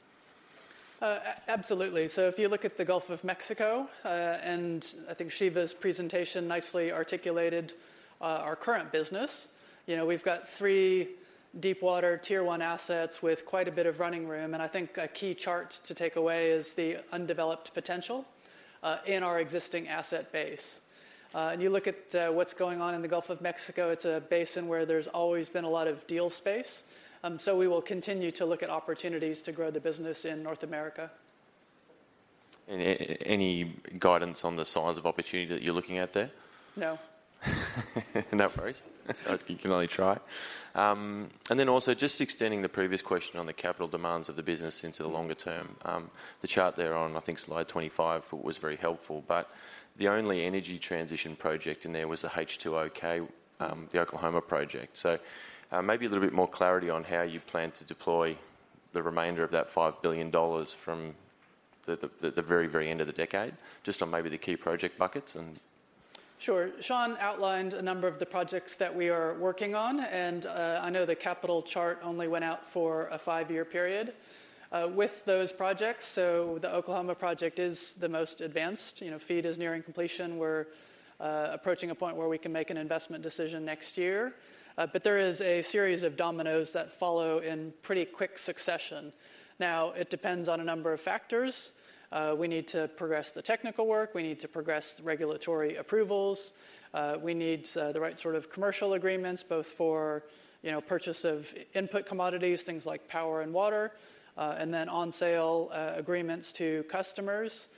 Absolutely. If you look at the Gulf of Mexico, I think Shiva's presentation nicely articulated our current business. You know, we've got three deepwater tier one assets with quite a bit of running room, and I think a key chart to take away is the undeveloped potential in our existing asset base. You look at what's going on in the Gulf of Mexico, it's a basin where there's always been a lot of deal space. We will continue to look at opportunities to grow the business in North America.
Any guidance on the size of opportunity that you're looking at there?
No.
No worries. You can only try. Also just extending the previous question on the capital demands of the business into the longer term. The chart there on, I think slide 25 was very helpful, but the only energy transition project in there was the H2OK, the Oklahoma project. Maybe a little bit more clarity on how you plan to deploy the remainder of that $5 billion from the very end of the decade, just on maybe the key project buckets and...
Sure. Shaun outlined a number of the projects that we are working on. I know the capital chart only went out for a five-year period with those projects. The Oklahoma project is the most advanced. You know, FEED is nearing completion. We're approaching a point where we can make an investment decision next year. There is a series of dominoes that follow in pretty quick succession. It depends on a number of factors. We need to progress the technical work. We need to progress regulatory approvals. We need the right sort of commercial agreements, both for, you know, purchase of input commodities, things like power and water, and then on sale agreements to customers.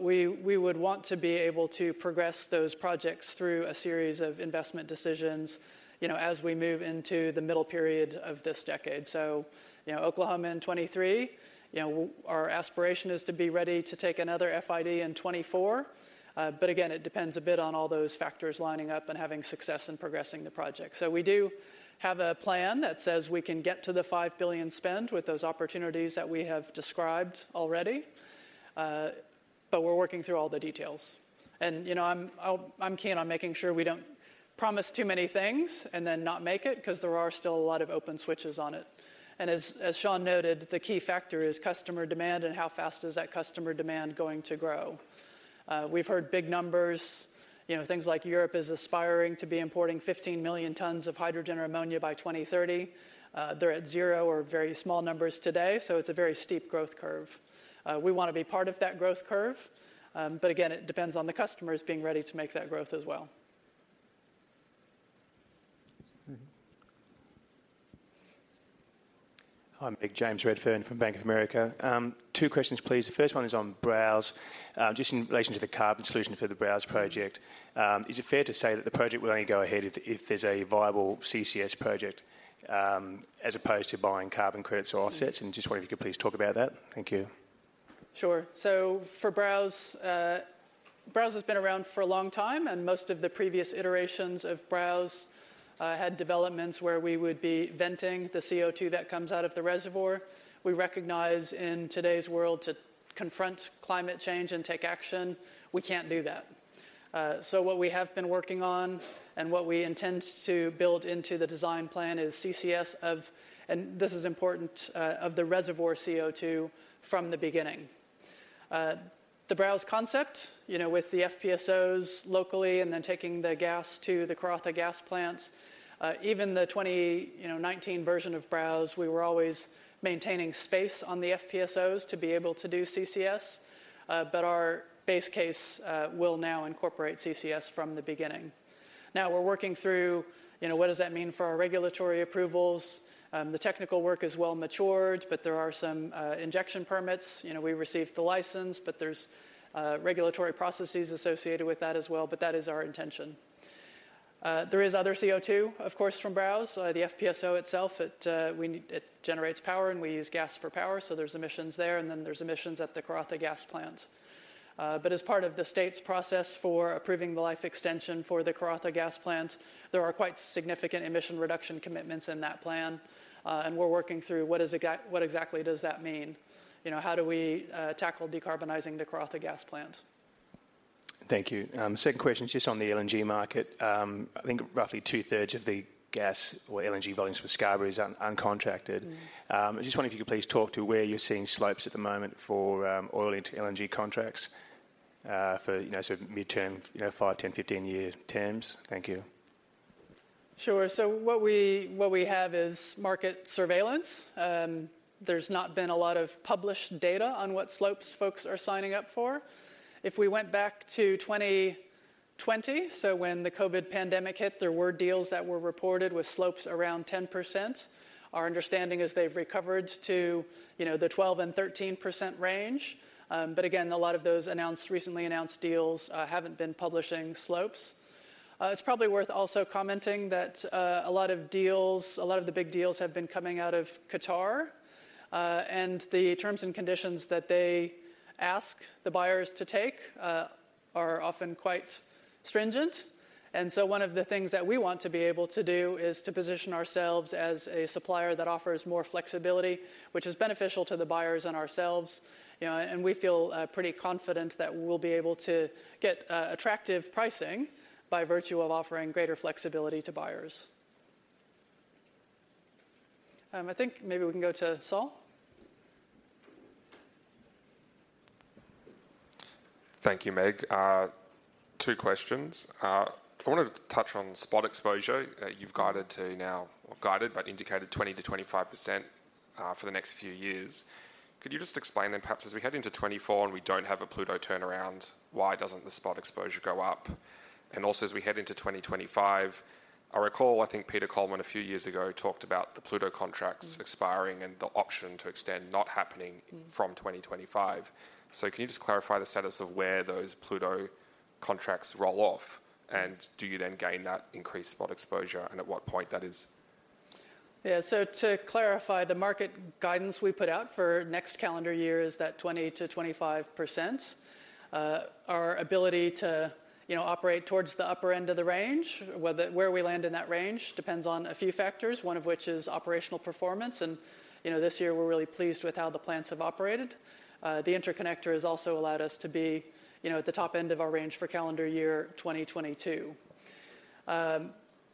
We would want to be able to progress those projects through a series of investment decisions, you know, as we move into the middle period of this decade. You know, Oklahoma in 2023. You know, our aspiration is to be ready to take another FID in 2024. Again, it depends a bit on all those factors lining up and having success in progressing the project. We do have a plan that says we can get to the $5 billion spend with those opportunities that we have described already. But we're working through all the details. You know, I'm keen on making sure we don't promise too many things and then not make it, 'cause there are still a lot of open switches on it. As Shaun noted, the key factor is customer demand and how fast is that customer demand going to grow. We've heard big numbers. You know, things like Europe is aspiring to be importing 15 million tons of hydrogen or ammonia by 2030. They're at zero or very small numbers today, so it's a very steep growth curve. We wanna be part of that growth curve, but again, it depends on the customers being ready to make that growth as well.
Mm-hmm.
Hi, Meg. James Redfern from Bank of America. Two questions, please. The first one is on Browse. Just in relation to the carbon solution for the Browse project, is it fair to say that the project will only go ahead if there's a viable CCS project, as opposed to buying carbon credits or offsets? Just wonder if you could please talk about that. Thank you.
Sure. For Browse has been around for a long time, and most of the previous iterations of Browse had developments where we would be venting the CO₂ that comes out of the reservoir. We recognize in today's world to confront climate change and take action, we can't do that. What we have been working on and what we intend to build into the design plan is CCS of, and this is important, of the reservoir CO₂ from the beginning. The Browse concept, you know, with the FPSOs locally and then taking the gas to the Karratha Gas Plant, even the 20, you know, 19 version of Browse, we were always maintaining space on the FPSOs to be able to do CCS, but our base case will now incorporate CCS from the beginning. Now we're working through, you know, what does that mean for our regulatory approvals? The technical work is well matured, but there are some injection permits. You know, we received the license, but there's regulatory processes associated with that as well, but that is our intention. There is other CO₂ of course, from Browse. The FPSO itself, it generates power, and we use gas for power, so there's emissions there. Then there's emissions at the Karratha Gas Plant. As part of the state's process for approving the life extension for the Karratha Gas Plant, there are quite significant emission reduction commitments in that plan. We're working through what exactly does that mean? You know, how do we tackle decarbonizing the Karratha Gas Plant?
Thank you. Second question is just on the LNG market. I think roughly two-thirds of the gas or LNG volumes for Scarborough is uncontracted.
Mm-hmm.
I just wonder if you could please talk to where you're seeing slopes at the moment for oil into LNG contracts for, you know, so midterm, you know, five, 10-, 15-year terms. Thank you.
Sure. What we have is market surveillance. There's not been a lot of published data on what slopes folks are signing up for. If we went back to 2020, so when the COVID pandemic hit, there were deals that were reported with slopes around 10%. Our understanding is they've recovered to, you know, the 12% and 13% range. Again, a lot of those announced, recently announced deals, haven't been publishing slopes. It's probably worth also commenting that a lot of deals, a lot of the big deals have been coming out of Qatar, and the terms and conditions that they ask the buyers to take, are often quite stringent. One of the things that we want to be able to do is to position ourselves as a supplier that offers more flexibility, which is beneficial to the buyers and ourselves. You know, we feel pretty confident that we'll be able to get attractive pricing by virtue of offering greater flexibility to buyers. I think maybe we can go to Saul.
Thank you, Meg. Two questions. I wanted to touch on spot exposure. You've guided to now, or guided, but indicated 20%-25% for the next few years. Could you just explain then perhaps as we head into 2024 and we don't have a Pluto turnaround, why doesn't the spot exposure go up? Also, as we head into 2025, I recall, I think Peter Coleman a few years ago talked about the Pluto contracts expiring and the option to extend not happening from 2025. So can you just clarify the status of where those Pluto?
Contracts roll off, do you then gain that increased spot exposure and at what point that is?
To clarify, the market guidance we put out for next calendar year is that 20%-25%. Our ability to, you know, operate towards the upper end of the range, whether where we land in that range depends on a few factors, one of which is operational performance. You know, this year we're really pleased with how the plants have operated. The Interconnector has also allowed us to be, you know, at the top end of our range for calendar year 2022.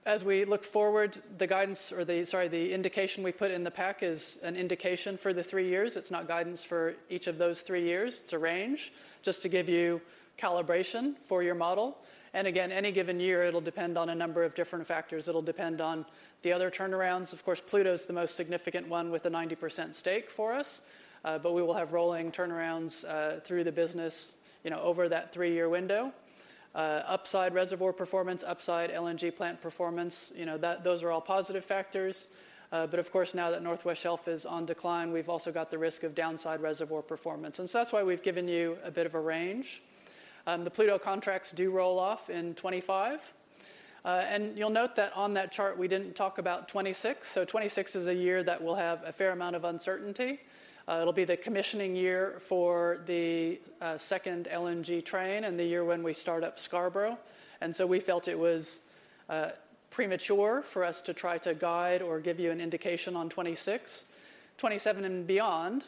As we look forward, the indication we put in the pack is an indication for the three years. It's not guidance for each of those three years. It's a range just to give you calibration for your model. Again, any given year it'll depend on a number of different factors. It'll depend on the other turnarounds. Of course, Pluto is the most significant one with a 90% stake for us, but we will have rolling turnarounds through the business, you know, over that three-year window. Upside reservoir performance, upside LNG plant performance, you know, that those are all positive factors. Of course, now that North West Shelf is on decline, we've also got the risk of downside reservoir performance. That's why we've given you a bit of a range. The Pluto contracts do roll off in 2025. You'll note that on that chart we didn't talk about 2026. 2026 is a year that will have a fair amount of uncertainty. It'll be the commissioning year for the second LNG train and the year when we start up Scarborough. We felt it was premature for us to try to guide or give you an indication on 2026, 2027 and beyond.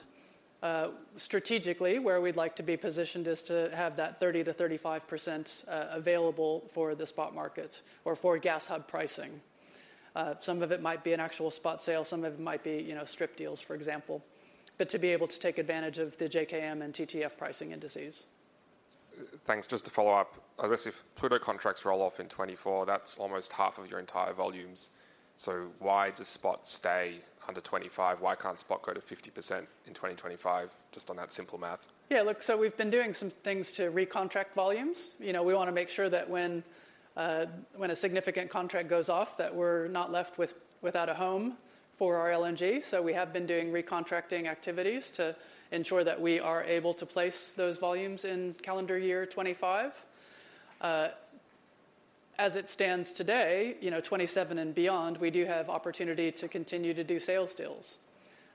Strategically, where we'd like to be positioned is to have that 30%-35% available for the spot market or for gas hub pricing. Some of it might be an actual spot sale, some of it might be, you know, strip deals, for example. To be able to take advantage of the JKM and TTF pricing indices.
Thanks. Just to follow up, I guess if Pluto contracts roll off in 2024, that's almost half of your entire volumes. Why does spot stay under 25%? Why can't spot go to 50% in 2025 just on that simple math?
Yeah. Look, we've been doing some things to recontract volumes. You know, we wanna make sure that when a significant contract goes off, that we're not left without a home for our LNG. We have been doing recontracting activities to ensure that we are able to place those volumes in calendar year 2025. As it stands today, you know, 2027 and beyond, we do have opportunity to continue to do sales deals.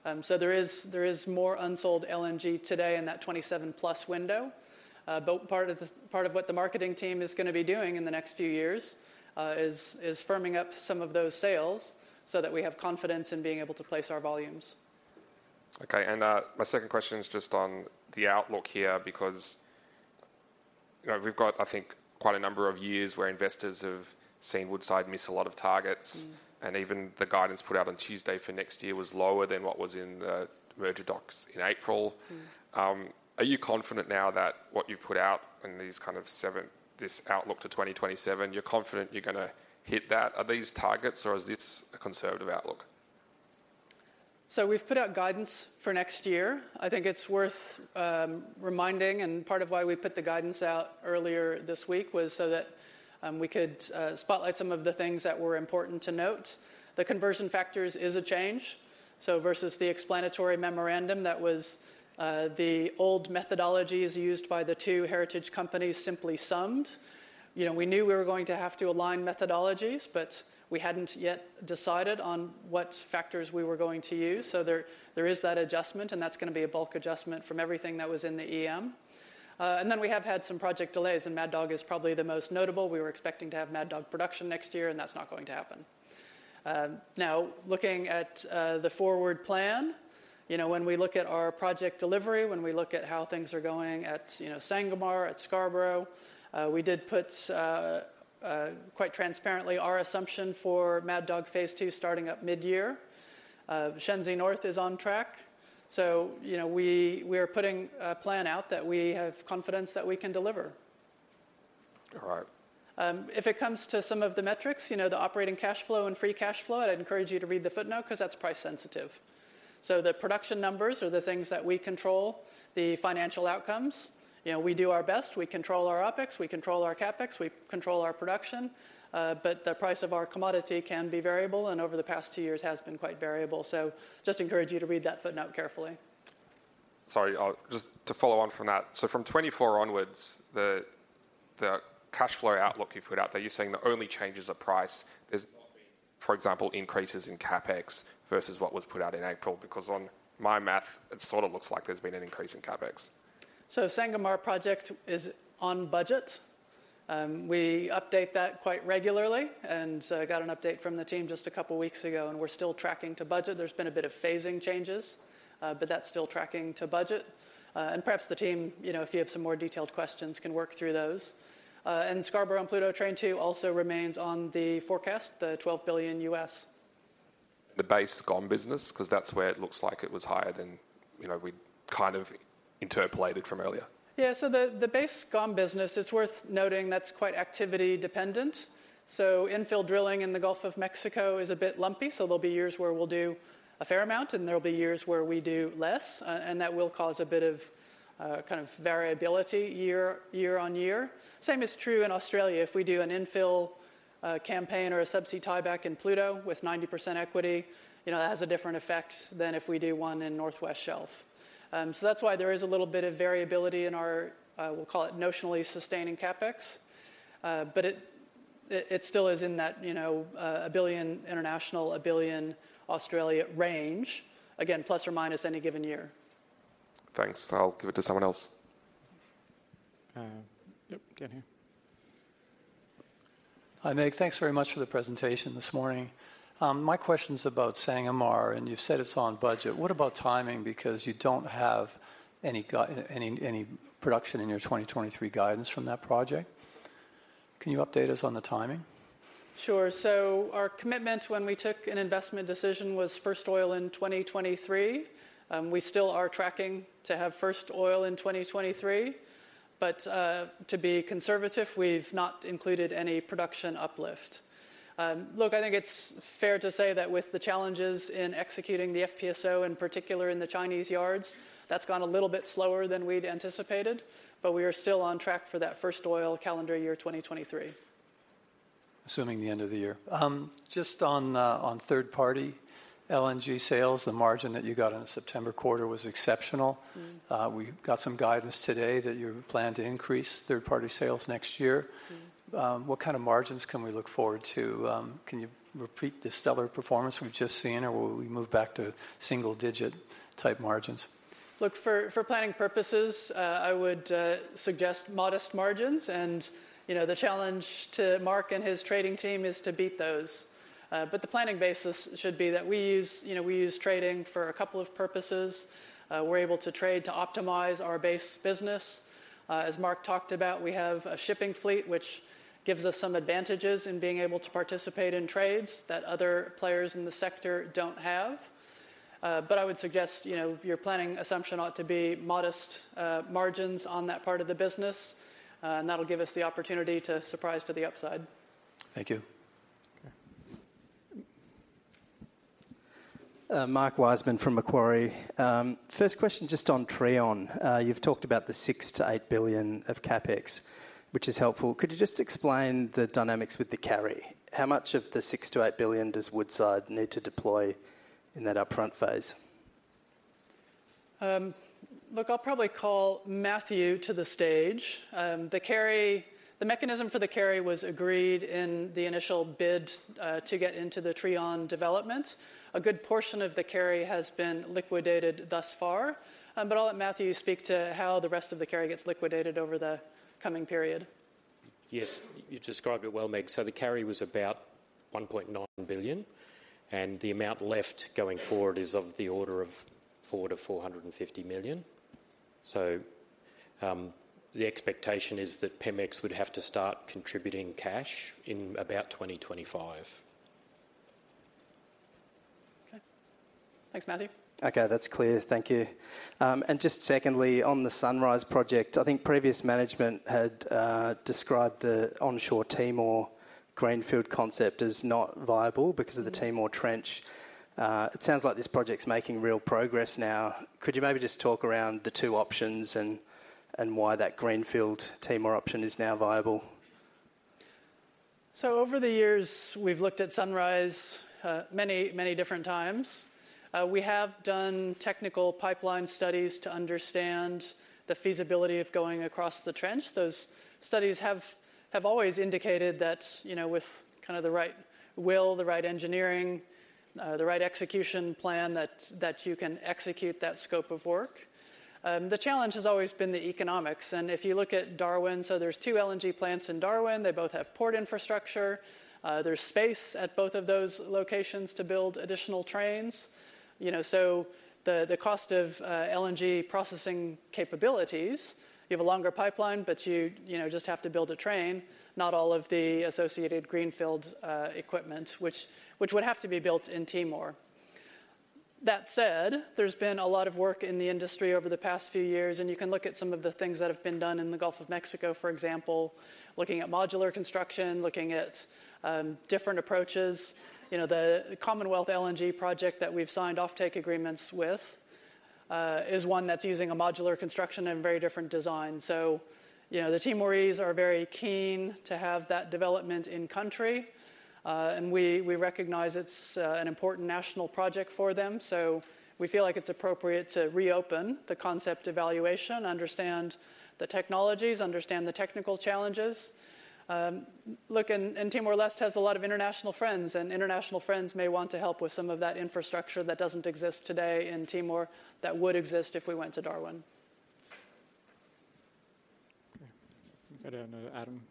There is more unsold LNG today in that 2027 plus window. But part of what the marketing team is gonna be doing in the next few years is firming up some of those sales so that we have confidence in being able to place our volumes.
Okay. My second question is just on the outlook here, because, you know, we've got, I think, quite a number of years where investors have seen Woodside miss a lot of targets, and even the guidance put out on Tuesday for next year was lower than what was in the merger docs in April.
Mm.
Are you confident now that what you've put out in these kind of 7—, this outlook to 2027, you're confident you're gonna hit that? Are these targets or is this a conservative outlook?
We've put out guidance for next year. I think it's worth reminding, and part of why we put the guidance out earlier this week was so that we could spotlight some of the things that were important to note. The conversion factors is a change, so versus the explanatory memorandum that was the old methodologies used by the two Heritage companies simply summed. You know, we knew we were going to have to align methodologies, but we hadn't yet decided on what factors we were going to use. There, there is that adjustment, and that's gonna be a bulk adjustment from everything that was in the EM. We have had some project delays, and Mad Dog is probably the most notable. We were expecting to have Mad Dog production next year, and that's not going to happen. Now looking at the forward plan, you know, when we look at our project delivery, when we look at how things are going at, you know, Sangomar, at Scarborough, we did put quite transparently our assumption for Mad Dog Phase 2 starting up mid-year. Shenzi North is on track, so, you know, we are putting a plan out that we have confidence that we can deliver.
All right.
If it comes to some of the metrics, you know, the operating cash flow and free cash flow, I'd encourage you to read the footnote 'cause that's price sensitive. The production numbers are the things that we control the financial outcomes. You know, we do our best. We control our OpEx, we control our CapEx, we control our production, but the price of our commodity can be variable, and over the past two years has been quite variable. Just encourage you to read that footnote carefully.
Sorry. Just to follow on from that. From 2024 onwards, the cash flow outlook you put out there, you're saying the only change is the price? There's, for example, increases in CapEx versus what was put out in April, because on my math, it sort of looks like there's been an increase in CapEx.
Sangomar project is on budget. We update that quite regularly and got an update from the team just a couple of weeks ago, and we're still tracking to budget. There's been a bit of phasing changes, but that's still tracking to budget. Perhaps the team, you know, if you have some more detailed questions, can work through those. Scarborough and Pluto Train 2 also remains on the forecast, the $12 billion.
The base GOM business, 'cause that's where it looks like it was higher than, you know, we kind of interpolated from earlier.
The base GOM business, it's worth noting that's quite activity dependent. Infill drilling in the Gulf of Mexico is a bit lumpy, so there'll be years where we'll do a fair amount, and there'll be years where we do less. That will cause a bit of kind of variability year on year. Same is true in Australia. If we do an infill campaign or a subsea tieback in Pluto with 90% equity, you know, that has a different effect than if we do one in North West Shelf. That's why there is a little bit of variability in our, we'll call it notionally sustaining CapEx. It still is in that, you know, $1 billion International, $1 billion Australia range, again, plus or minus any given year.
Thanks. I'll give it to someone else.
Yep, go ahead here.
Hi, Meg. Thanks very much for the presentation this morning. My question's about Sangomar. You've said it's on budget. What about timing? You don't have any production in your 2023 guidance from that project. Can you update us on the timing?
Our commitment when we took an investment decision was first oil in 2023. We still are tracking to have first oil in 2023, but to be conservative, we've not included any production uplift. Look, I think it's fair to say that with the challenges in executing the FPSO, in particular in the Chinese yards, that's gone a little bit slower than we'd anticipated, but we are still on track for that first oil calendar year 2023.
Assuming the end of the year. Just on third-party LNG sales, the margin that you got in the September quarter was exceptional.
Mm-hmm.
We got some guidance today that you plan to increase third-party sales next year.
Mm-hmm.
What kind of margins can we look forward to? Can you repeat the stellar performance we've just seen, or will we move back to single-digit type margins?
Look, for planning purposes, I would suggest modest margins and, you know, the challenge to Mark and his trading team is to beat those. The planning basis should be that we use, you know, we use trading for a couple of purposes. We're able to trade to optimize our base business. As Mark talked about, we have a shipping fleet, which gives us some advantages in being able to participate in trades that other players in the sector don't have. I would suggest, you know, your planning assumption ought to be modest margins on that part of the business, and that'll give us the opportunity to surprise to the upside.
Thank you.
Okay.
Mark Wiseman from Macquarie. First question, just on Trion. You've talked about the $6 billion-$8 billion of CapEx, which is helpful. Could you just explain the dynamics with the carry? How much of the $6 billion-$8 billion does Woodside need to deploy in that upfront phase?
Look, I'll probably call Matthew to the stage. The carry, the mechanism for the carry was agreed in the initial bid, to get into the Trion development. A good portion of the carry has been liquidated thus far. I'll let Matthew speak to how the rest of the carry gets liquidated over the coming period.
Yes. You described it well, Meg. The carry was about $1.9 billion, and the amount left going forward is of the order of $4 million-$450 million. The expectation is that PEMEX would have to start contributing cash in about 2025.
Okay. Thanks, Matthew.
Okay. That's clear. Thank you. Just secondly, on the Sunrise project, I think previous management had described the onshore Timor greenfield concept as not viable because of the Timor Trench. It sounds like this project's making real progress now. Could you maybe just talk around the two options and why that greenfield Timor option is now viable?
Over the years, we've looked at Sunrise, many, many different times. We have done technical pipeline studies to understand the feasibility of going across the trench. Those studies have always indicated that, you know, with kind of the right will, the right engineering, the right execution plan, that you can execute that scope of work. The challenge has always been the economics, and if you look at Darwin, there's two LNG plants in Darwin. They both have port infrastructure. There's space at both of those locations to build additional trains. You know, the cost of LNG processing capabilities, you have a longer pipeline, but you know, just have to build a train, not all of the associated greenfield equipment, which would have to be built in Timor. That said, there's been a lot of work in the industry over the past few years. You can look at some of the things that have been done in the Gulf of Mexico, for example, looking at modular construction, looking at different approaches. You know, the Commonwealth LNG project that we've signed offtake agreements with is one that's using a modular construction and very different design. You know, the Timorese are very keen to have that development in country, and we recognize it's an important national project for them. We feel like it's appropriate to reopen the concept evaluation, understand the technologies, understand the technical challenges. Look, Timor-Leste has a lot of international friends, and international friends may want to help with some of that infrastructure that doesn't exist today in Timor that would exist if we went to Darwin.
Okay. Go down to Adam.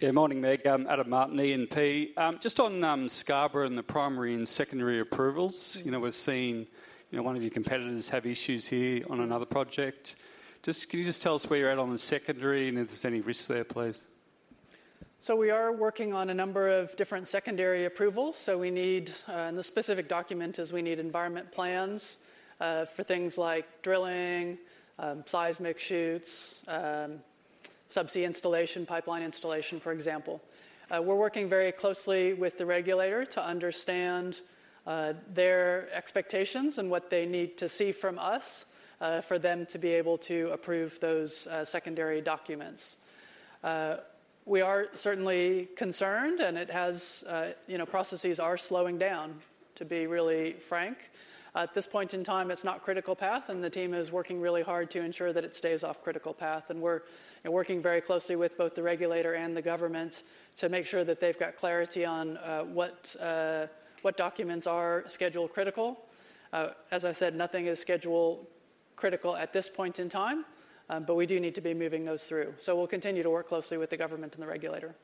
Yeah.
Yeah. Morning, Meg. I'm Adam Martin, ENP. Just on Scarborough and the primary and secondary approvals, you know, we're seeing, you know, one of your competitors have issues here on another project. Just, can you just tell us where you're at on the secondary and if there's any risks there, please?
We are working on a number of different secondary approvals, so we need, and the specific document is we need environment plans, for things like drilling, seismic shoots, subsea installation, pipeline installation, for example. We're working very closely with the regulator to understand, their expectations and what they need to see from us, for them to be able to approve those, secondary documents. We are certainly concerned, and it has, you know, processes are slowing down, to be really frank. At this point in time, it's not critical path, and the team is working really hard to ensure that it stays off critical path. We're working very closely with both the regulator and the government to make sure that they've got clarity on, what documents are schedule-critical. As I said, nothing is schedule-critical at this point in time, but we do need to be moving those through. We'll continue to work closely with the government and the regulator.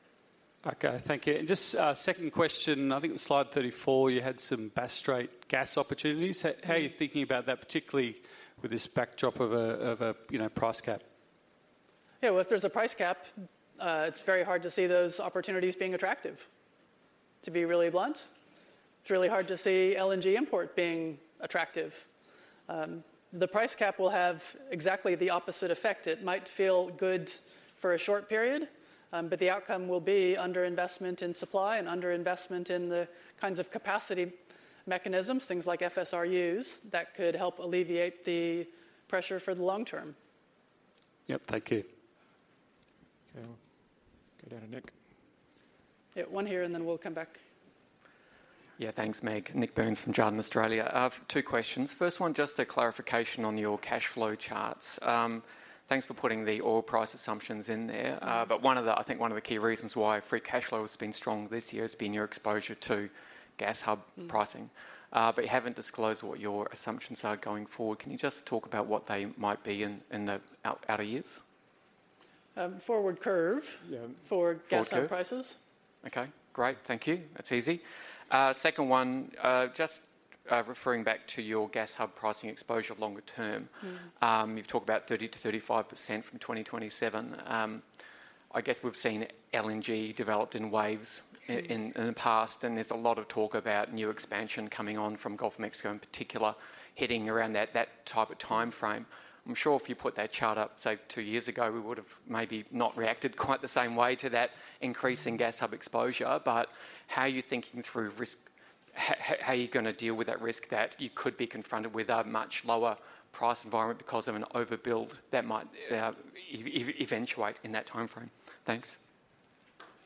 Okay, thank you. Just a second question. I think in slide 34, you had some Bass Strait gas opportunities. How are you thinking about that, particularly with this backdrop of a, you know, price cap?
If there's a price cap, it's very hard to see those opportunities being attractive, to be really blunt. It's really hard to see LNG import being attractive. The price cap will have exactly the opposite effect. It might feel good for a short period, the outcome will be underinvestment in supply and underinvestment in the kinds of capacity mechanisms, things like FSRUs, that could help alleviate the pressure for the long term.
Yep, thank you.
Okay.
Go down to Nik.
Yeah, one here, and then we'll come back.
Yeah, thanks, Meg. Nik Burns from Jarden Australia. I have two questions. First one, just a clarification on your cash flow charts. Thanks for putting the oil price assumptions in there.
Mm-hmm.
I think one of the key reasons why free cash flow has been strong this year has been your exposure to gas hub-
Mm.
-pricing. You haven't disclosed what your assumptions are going forward. Can you just talk about what they might be in the outer years?
Forward curve.
Yeah.
for gas hub prices.
Forward curve. Okay, great. Thank you. That's easy. Second one, just referring back to your gas hub pricing exposure longer term?
Mm.
You've talked about 30%-35% from 2027. I guess we've seen LNG developed in waves.
Mm.
In the past, there's a lot of talk about new expansion coming on from Gulf of Mexico in particular, hitting around that type of timeframe. I'm sure if you put that chart up, say, two years ago, we would have maybe not reacted quite the same way to that increase in gas hub exposure. How are you thinking through risk? How are you gonna deal with that risk that you could be confronted with a much lower price environment because of an overbuild that might eventuate in that timeframe? Thanks.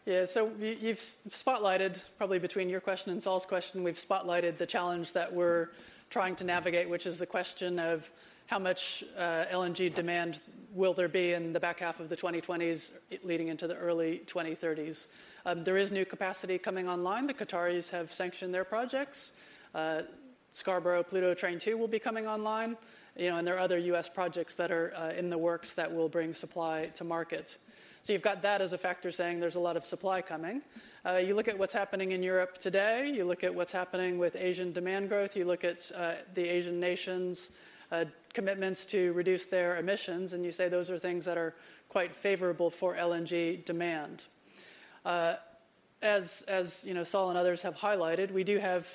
You've spotlighted, probably between your question and Saul's question, we've spotlighted the challenge that we're trying to navigate, which is the question of how much LNG demand will there be in the back half of the 2020s leading into the early 2030s. There is new capacity coming online. The Qataris have sanctioned their projects. Scarborough Pluto Train 2 will be coming online, you know, and there are other U.S. projects that are in the works that will bring supply to market. You've got that as a factor saying there's a lot of supply coming. You look at what's happening in Europe today, you look at what's happening with Asian demand growth, you look at the Asian nations' commitments to reduce their emissions, and you say those are things that are quite favorable for LNG demand. As, you know, Sol and others have highlighted, we do have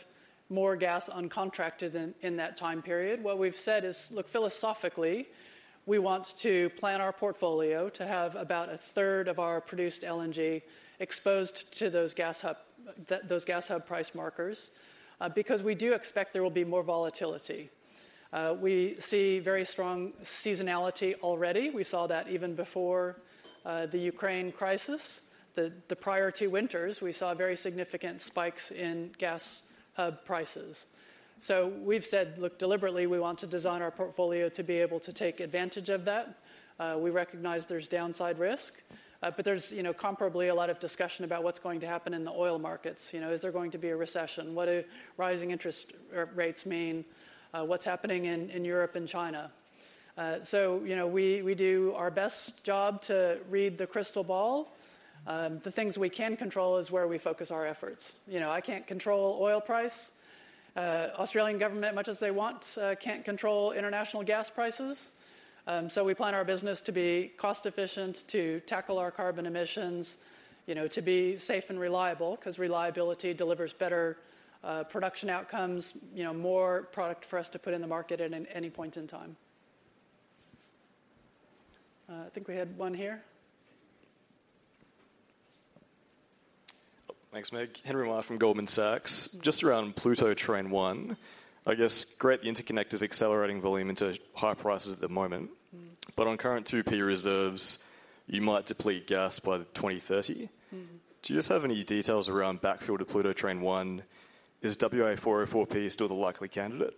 more gas uncontracted in that time period. What we've said is, look, philosophically, we want to plan our portfolio to have about a third of our produced LNG exposed to those gas hub, those gas hub price markers, because we do expect there will be more volatility. We see very strong seasonality already. We saw that even before the Ukraine crisis. The prior two winters, we saw very significant spikes in gas hub prices. We've said, look, deliberately, we want to design our portfolio to be able to take advantage of that. We recognize there's downside risk, there's, you know, comparably a lot of discussion about what's going to happen in the oil markets. You know, is there going to be a recession? What do rising interest rates mean? What's happening in Europe and China? You know, we do our best job to read the crystal ball. The things we can control is where we focus our efforts. You know, I can't control oil price. Australian government, much as they want, can't control international gas prices. We plan our business to be cost-efficient, to tackle our carbon emissions, you know, to be safe and reliable 'cause reliability delivers better production outcomes, you know, more product for us to put in the market at any point in time. I think we had one here.
Thanks, Meg. Henry Meyer from Goldman Sachs. Just around Pluto Train 1, I guess, great, the interconnect is accelerating volume into high prices at the moment.
Mm.
On current 2P reserves, you might deplete gas by 2030.
Mm.
Do you just have any details around backfill to Pluto Train One? Is WA-404P still the likely candidate?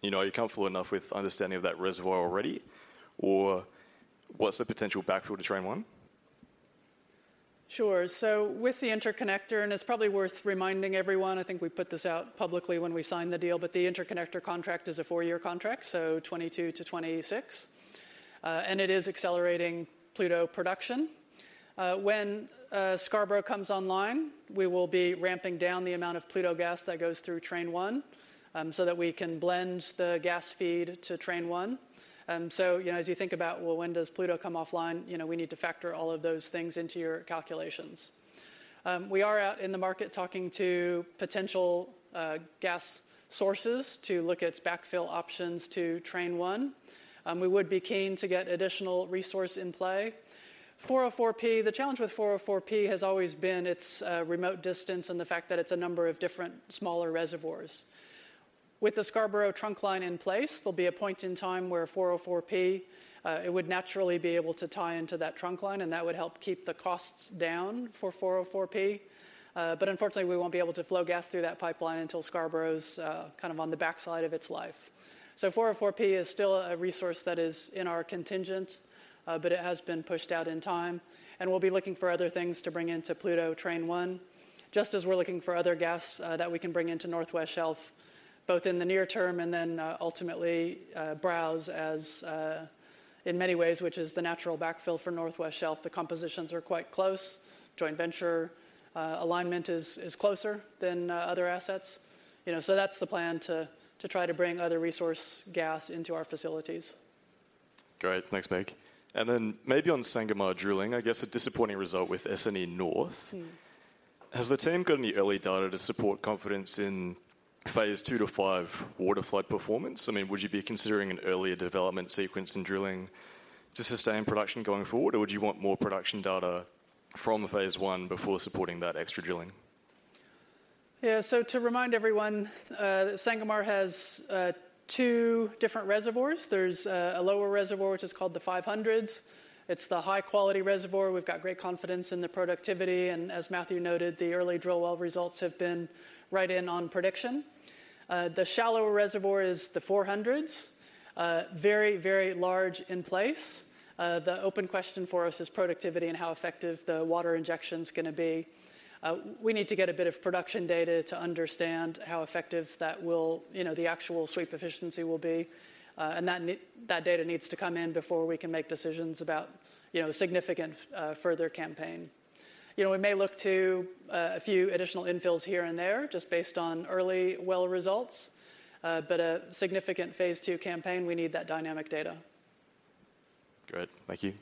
You know, are you comfortable enough with understanding of that reservoir already? What's the potential backfill to Train One?
Sure. With the Interconnector, it's probably worth reminding everyone, I think we put this out publicly when we signed the deal, but the Interconnector contract is a four-year contract, 2022 to 2026. It is accelerating Pluto production. When Scarborough comes online, we will be ramping down the amount of Pluto gas that goes through Train 1, so that we can blend the gas feed to Train 1. You know, as you think about, well, when does Pluto come offline, you know, we need to factor all of those things into your calculations. We are out in the market talking to potential gas sources to look at backfill options to Train 1. We would be keen to get additional resource in play. 404P, the challenge with 404P has always been its remote distance and the fact that it's a number of different smaller reservoirs. With the Scarborough trunkline in place, there'll be a point in time where 404P it would naturally be able to tie into that trunkline, and that would help keep the costs down for 404P. Unfortunately, we won't be able to flow gas through that pipeline until Scarborough's kind of on the backside of its life. 404P is still a resource that is in our contingent, but it has been pushed out in time, and we'll be looking for other things to bring into Pluto Train One, just as we're looking for other gas that we can bring into North West Shelf, both in the near term and then ultimately Browse as in many ways, which is the natural backfill for North West Shelf. The compositions are quite close. Joint venture alignment is closer than other assets. You know, that's the plan to try to bring other resource gas into our facilities.
Great. Thanks, Meg. Maybe on Sangomar drilling, I guess a disappointing result with SNE North.
Mm.
Has the team got any early data to support confidence in phase two to five waterflood performance? I mean, would you be considering an earlier development sequence in drilling to sustain production going forward, or would you want more production data from Phase 1 before supporting that extra drilling?
Yeah. To remind everyone, Sangomar has two different reservoirs. There's a lower reservoir, which is called the 500s. It's the high-quality reservoir. We've got great confidence in the productivity, as Matthew noted, the early drill well results have been right in on prediction. The shallower reservoir is the 400s. Very large in place. The open question for us is productivity and how effective the water injection's gonna be. We need to get a bit of production data to understand how effective that will, you know, the actual sweep efficiency will be. That data needs to come in before we can make decisions about, you know, significant further campaign. You know, we may look to a few additional infills here and there just based on early well results. A significant Phase 2 campaign, we need that dynamic data.
Great. Thank you.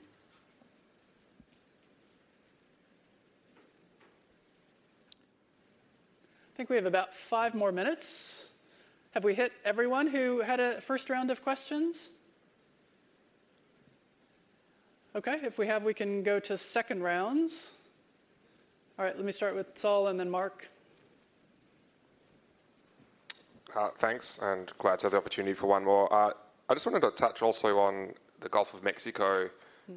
I think we have about five more minutes. Have we hit everyone who had a first round of questions? Okay. If we have, we can go to second rounds. All right. Let me start with Saul and then Mark.
Thanks, and glad to have the opportunity for one more. I just wanted to touch also on the Gulf of Mexico...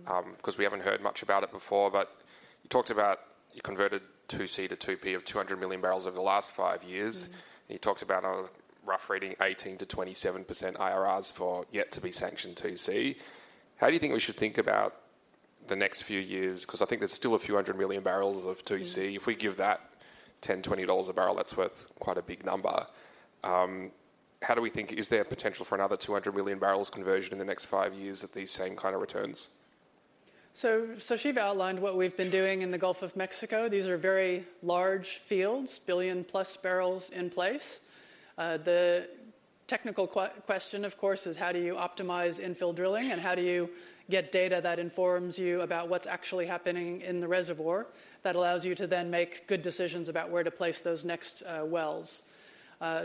Mm.
'cause we haven't heard much about it before. You talked about you converted 2C to 2P of 200 million barrels over the last five years.
Mm-hmm.
You talked about a rough reading 18%-27% IRRs for yet to be sanctioned 2C. How do you think we should think about the next few years? 'Cause I think there's still a few hundred million barrels of 2C.
Mm-hmm.
If we give that $10, $20 a barrel, that's worth quite a big number. How do we think, is there potential for another 200 million barrels conversion in the next five years at these same kind of returns?
Shiva outlined what we've been doing in the Gulf of Mexico. These are very large fields, 1 billion-plus barrels in place. The technical question, of course, is how do you optimize infill drilling, and how do you get data that informs you about what's actually happening in the reservoir that allows you to then make good decisions about where to place those next wells.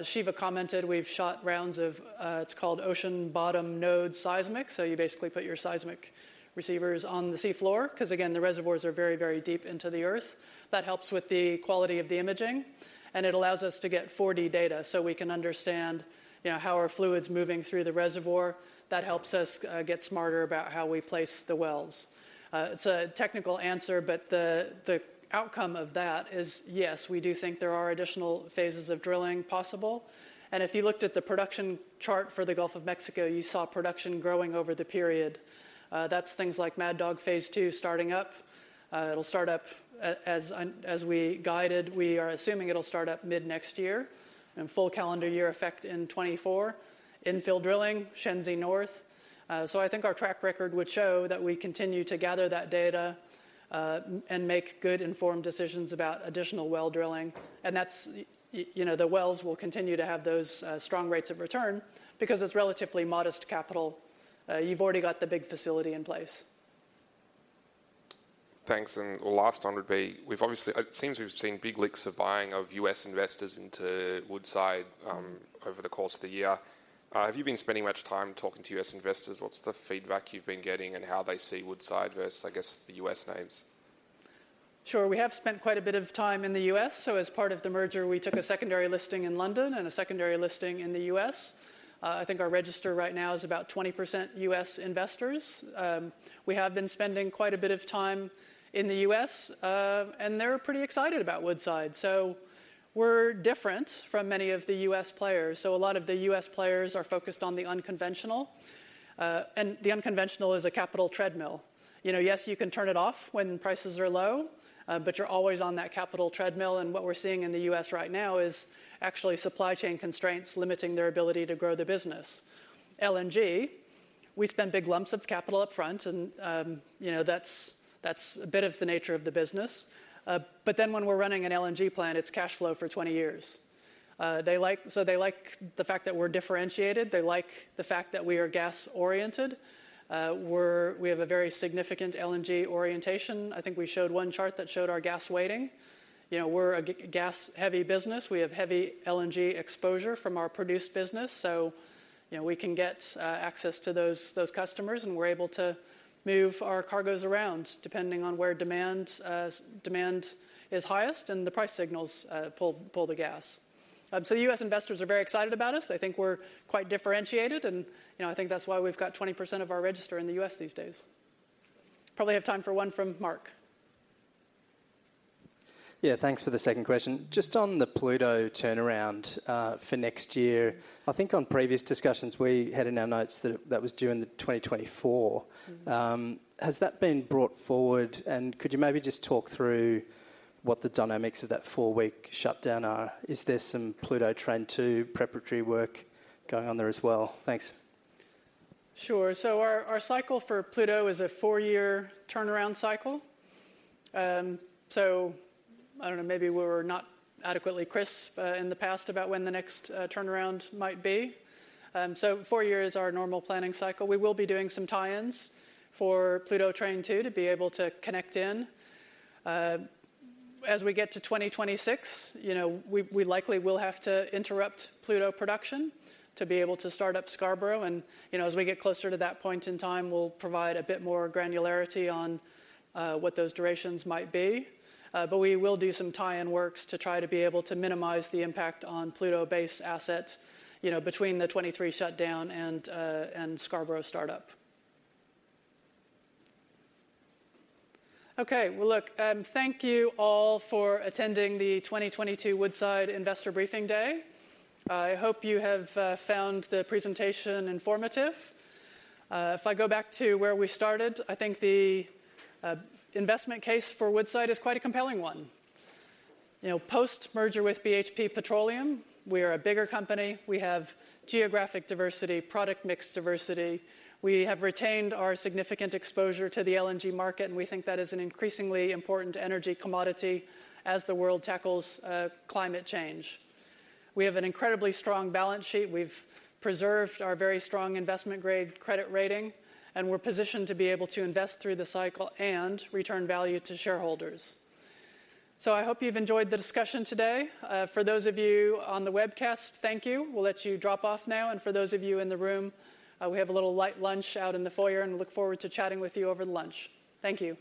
Shiva commented we've shot rounds of it's called ocean bottom node seismic. You basically put your seismic receivers on the sea floor 'cause again, the reservoirs are very, very deep into the earth. That helps with the quality of the imaging, and it allows us to get 4D data, so we can understand, you know, how are fluids moving through the reservoir. That helps us get smarter about how we place the wells. It's a technical answer, but the outcome of that is, yes, we do think there are additional phases of drilling possible. If you looked at the production chart for the Gulf of Mexico, you saw production growing over the period. That's things like Mad Dog Phase 2 starting up. It'll start up as we guided. We are assuming it'll start up mid next year and full calendar year effect in 2024. Infill drilling, Shenzi North. I think our track record would show that we continue to gather that data and make good-informed decisions about additional well drilling. That's, you know, the wells will continue to have those strong rates of return because it's relatively modest capital. You've already got the big facility in place.
Thanks. The last one would be...it seems we've seen big licks of buying of U.S. investors into Woodside over the course of the year. Have you been spending much time talking to U.S. investors? What's the feedback you've been getting and how they see Woodside versus, I guess, the U.S. names?
Sure. We have spent quite a bit of time in the U.S. As part of the merger, we took a secondary listing in London and a secondary listing in the U.S. I think our register right now is about 20% U.S. investors. We have been spending quite a bit of time in the U.S., and they're pretty excited about Woodside. We're different from many of the U.S. players. A lot of the U.S. players are focused on the unconventional, and the unconventional is a capital treadmill. You know, yes, you can turn it off when prices are low, but you're always on that capital treadmill, and what we're seeing in the U.S. right now is actually supply chain constraints limiting their ability to grow their business. LNG, we spend big lumps of capital up front and, you know, that's a bit of the nature of the business. When we're running an LNG plant, it's cash flow for 20 years. They like the fact that we're differentiated. They like the fact that we are gas-oriented. We have a very significant LNG orientation. I think we showed one chart that showed our gas weighting. You know, we're a gas-heavy business. We have heavy LNG exposure from our produced business. You know, we can get access to those customers, and we're able to move our cargoes around depending on where demand is highest and the price signals pull the gas. The US investors are very excited about us. They think we're quite differentiated, and, you know, I think that's why we've got 20% of our register in the US these days. Probably have time for one from Mark.
Thanks for the second question. Just on the Pluto turnaround for next year. I think on previous discussions, we had in our notes that that was due in 2024.
Mm-hmm.
Has that been brought forward? Could you maybe just talk through what the dynamics of that four-week shutdown are? Is there some Pluto Train 2 preparatory work going on there as well? Thanks.
Sure. Our, our cycle for Pluto is a four-year turnaround cycle. I don't know, maybe we're not adequately crisp in the past about when the next turnaround might be. Four years is our normal planning cycle. We will be doing some tie-ins for Pluto Train 2 to be able to connect in. As we get to 2026, you know, we likely will have to interrupt Pluto production to be able to start up Scarborough. you know, as we get closer to that point in time, we'll provide a bit more granularity on what those durations might be. We will do some tie-in works to try to be able to minimize the impact on Pluto-based assets, you know, between the 2023 shutdown and Scarborough startup. Well, look, thank you all for attending the 20 22 Woodside Investor Briefing Day. I hope you have found the presentation informative. If I go back to where we started, I think the investment case for Woodside is quite a compelling one. You know, post-merger with BHP Petroleum, we're a bigger company. We have geographic diversity, product mix diversity. We have retained our significant exposure to the LNG market, and we think that is an increasingly important energy commodity as the world tackles climate change. We have an incredibly strong balance sheet. We've preserved our very strong investment-grade credit rating, and we're positioned to be able to invest through the cycle and return value to shareholders. I hope you've enjoyed the discussion today. For those of you on the webcast, thank you. We'll let you drop off now. For those of you in the room, we have a little light lunch out in the foyer and look forward to chatting with you over lunch. Thank you.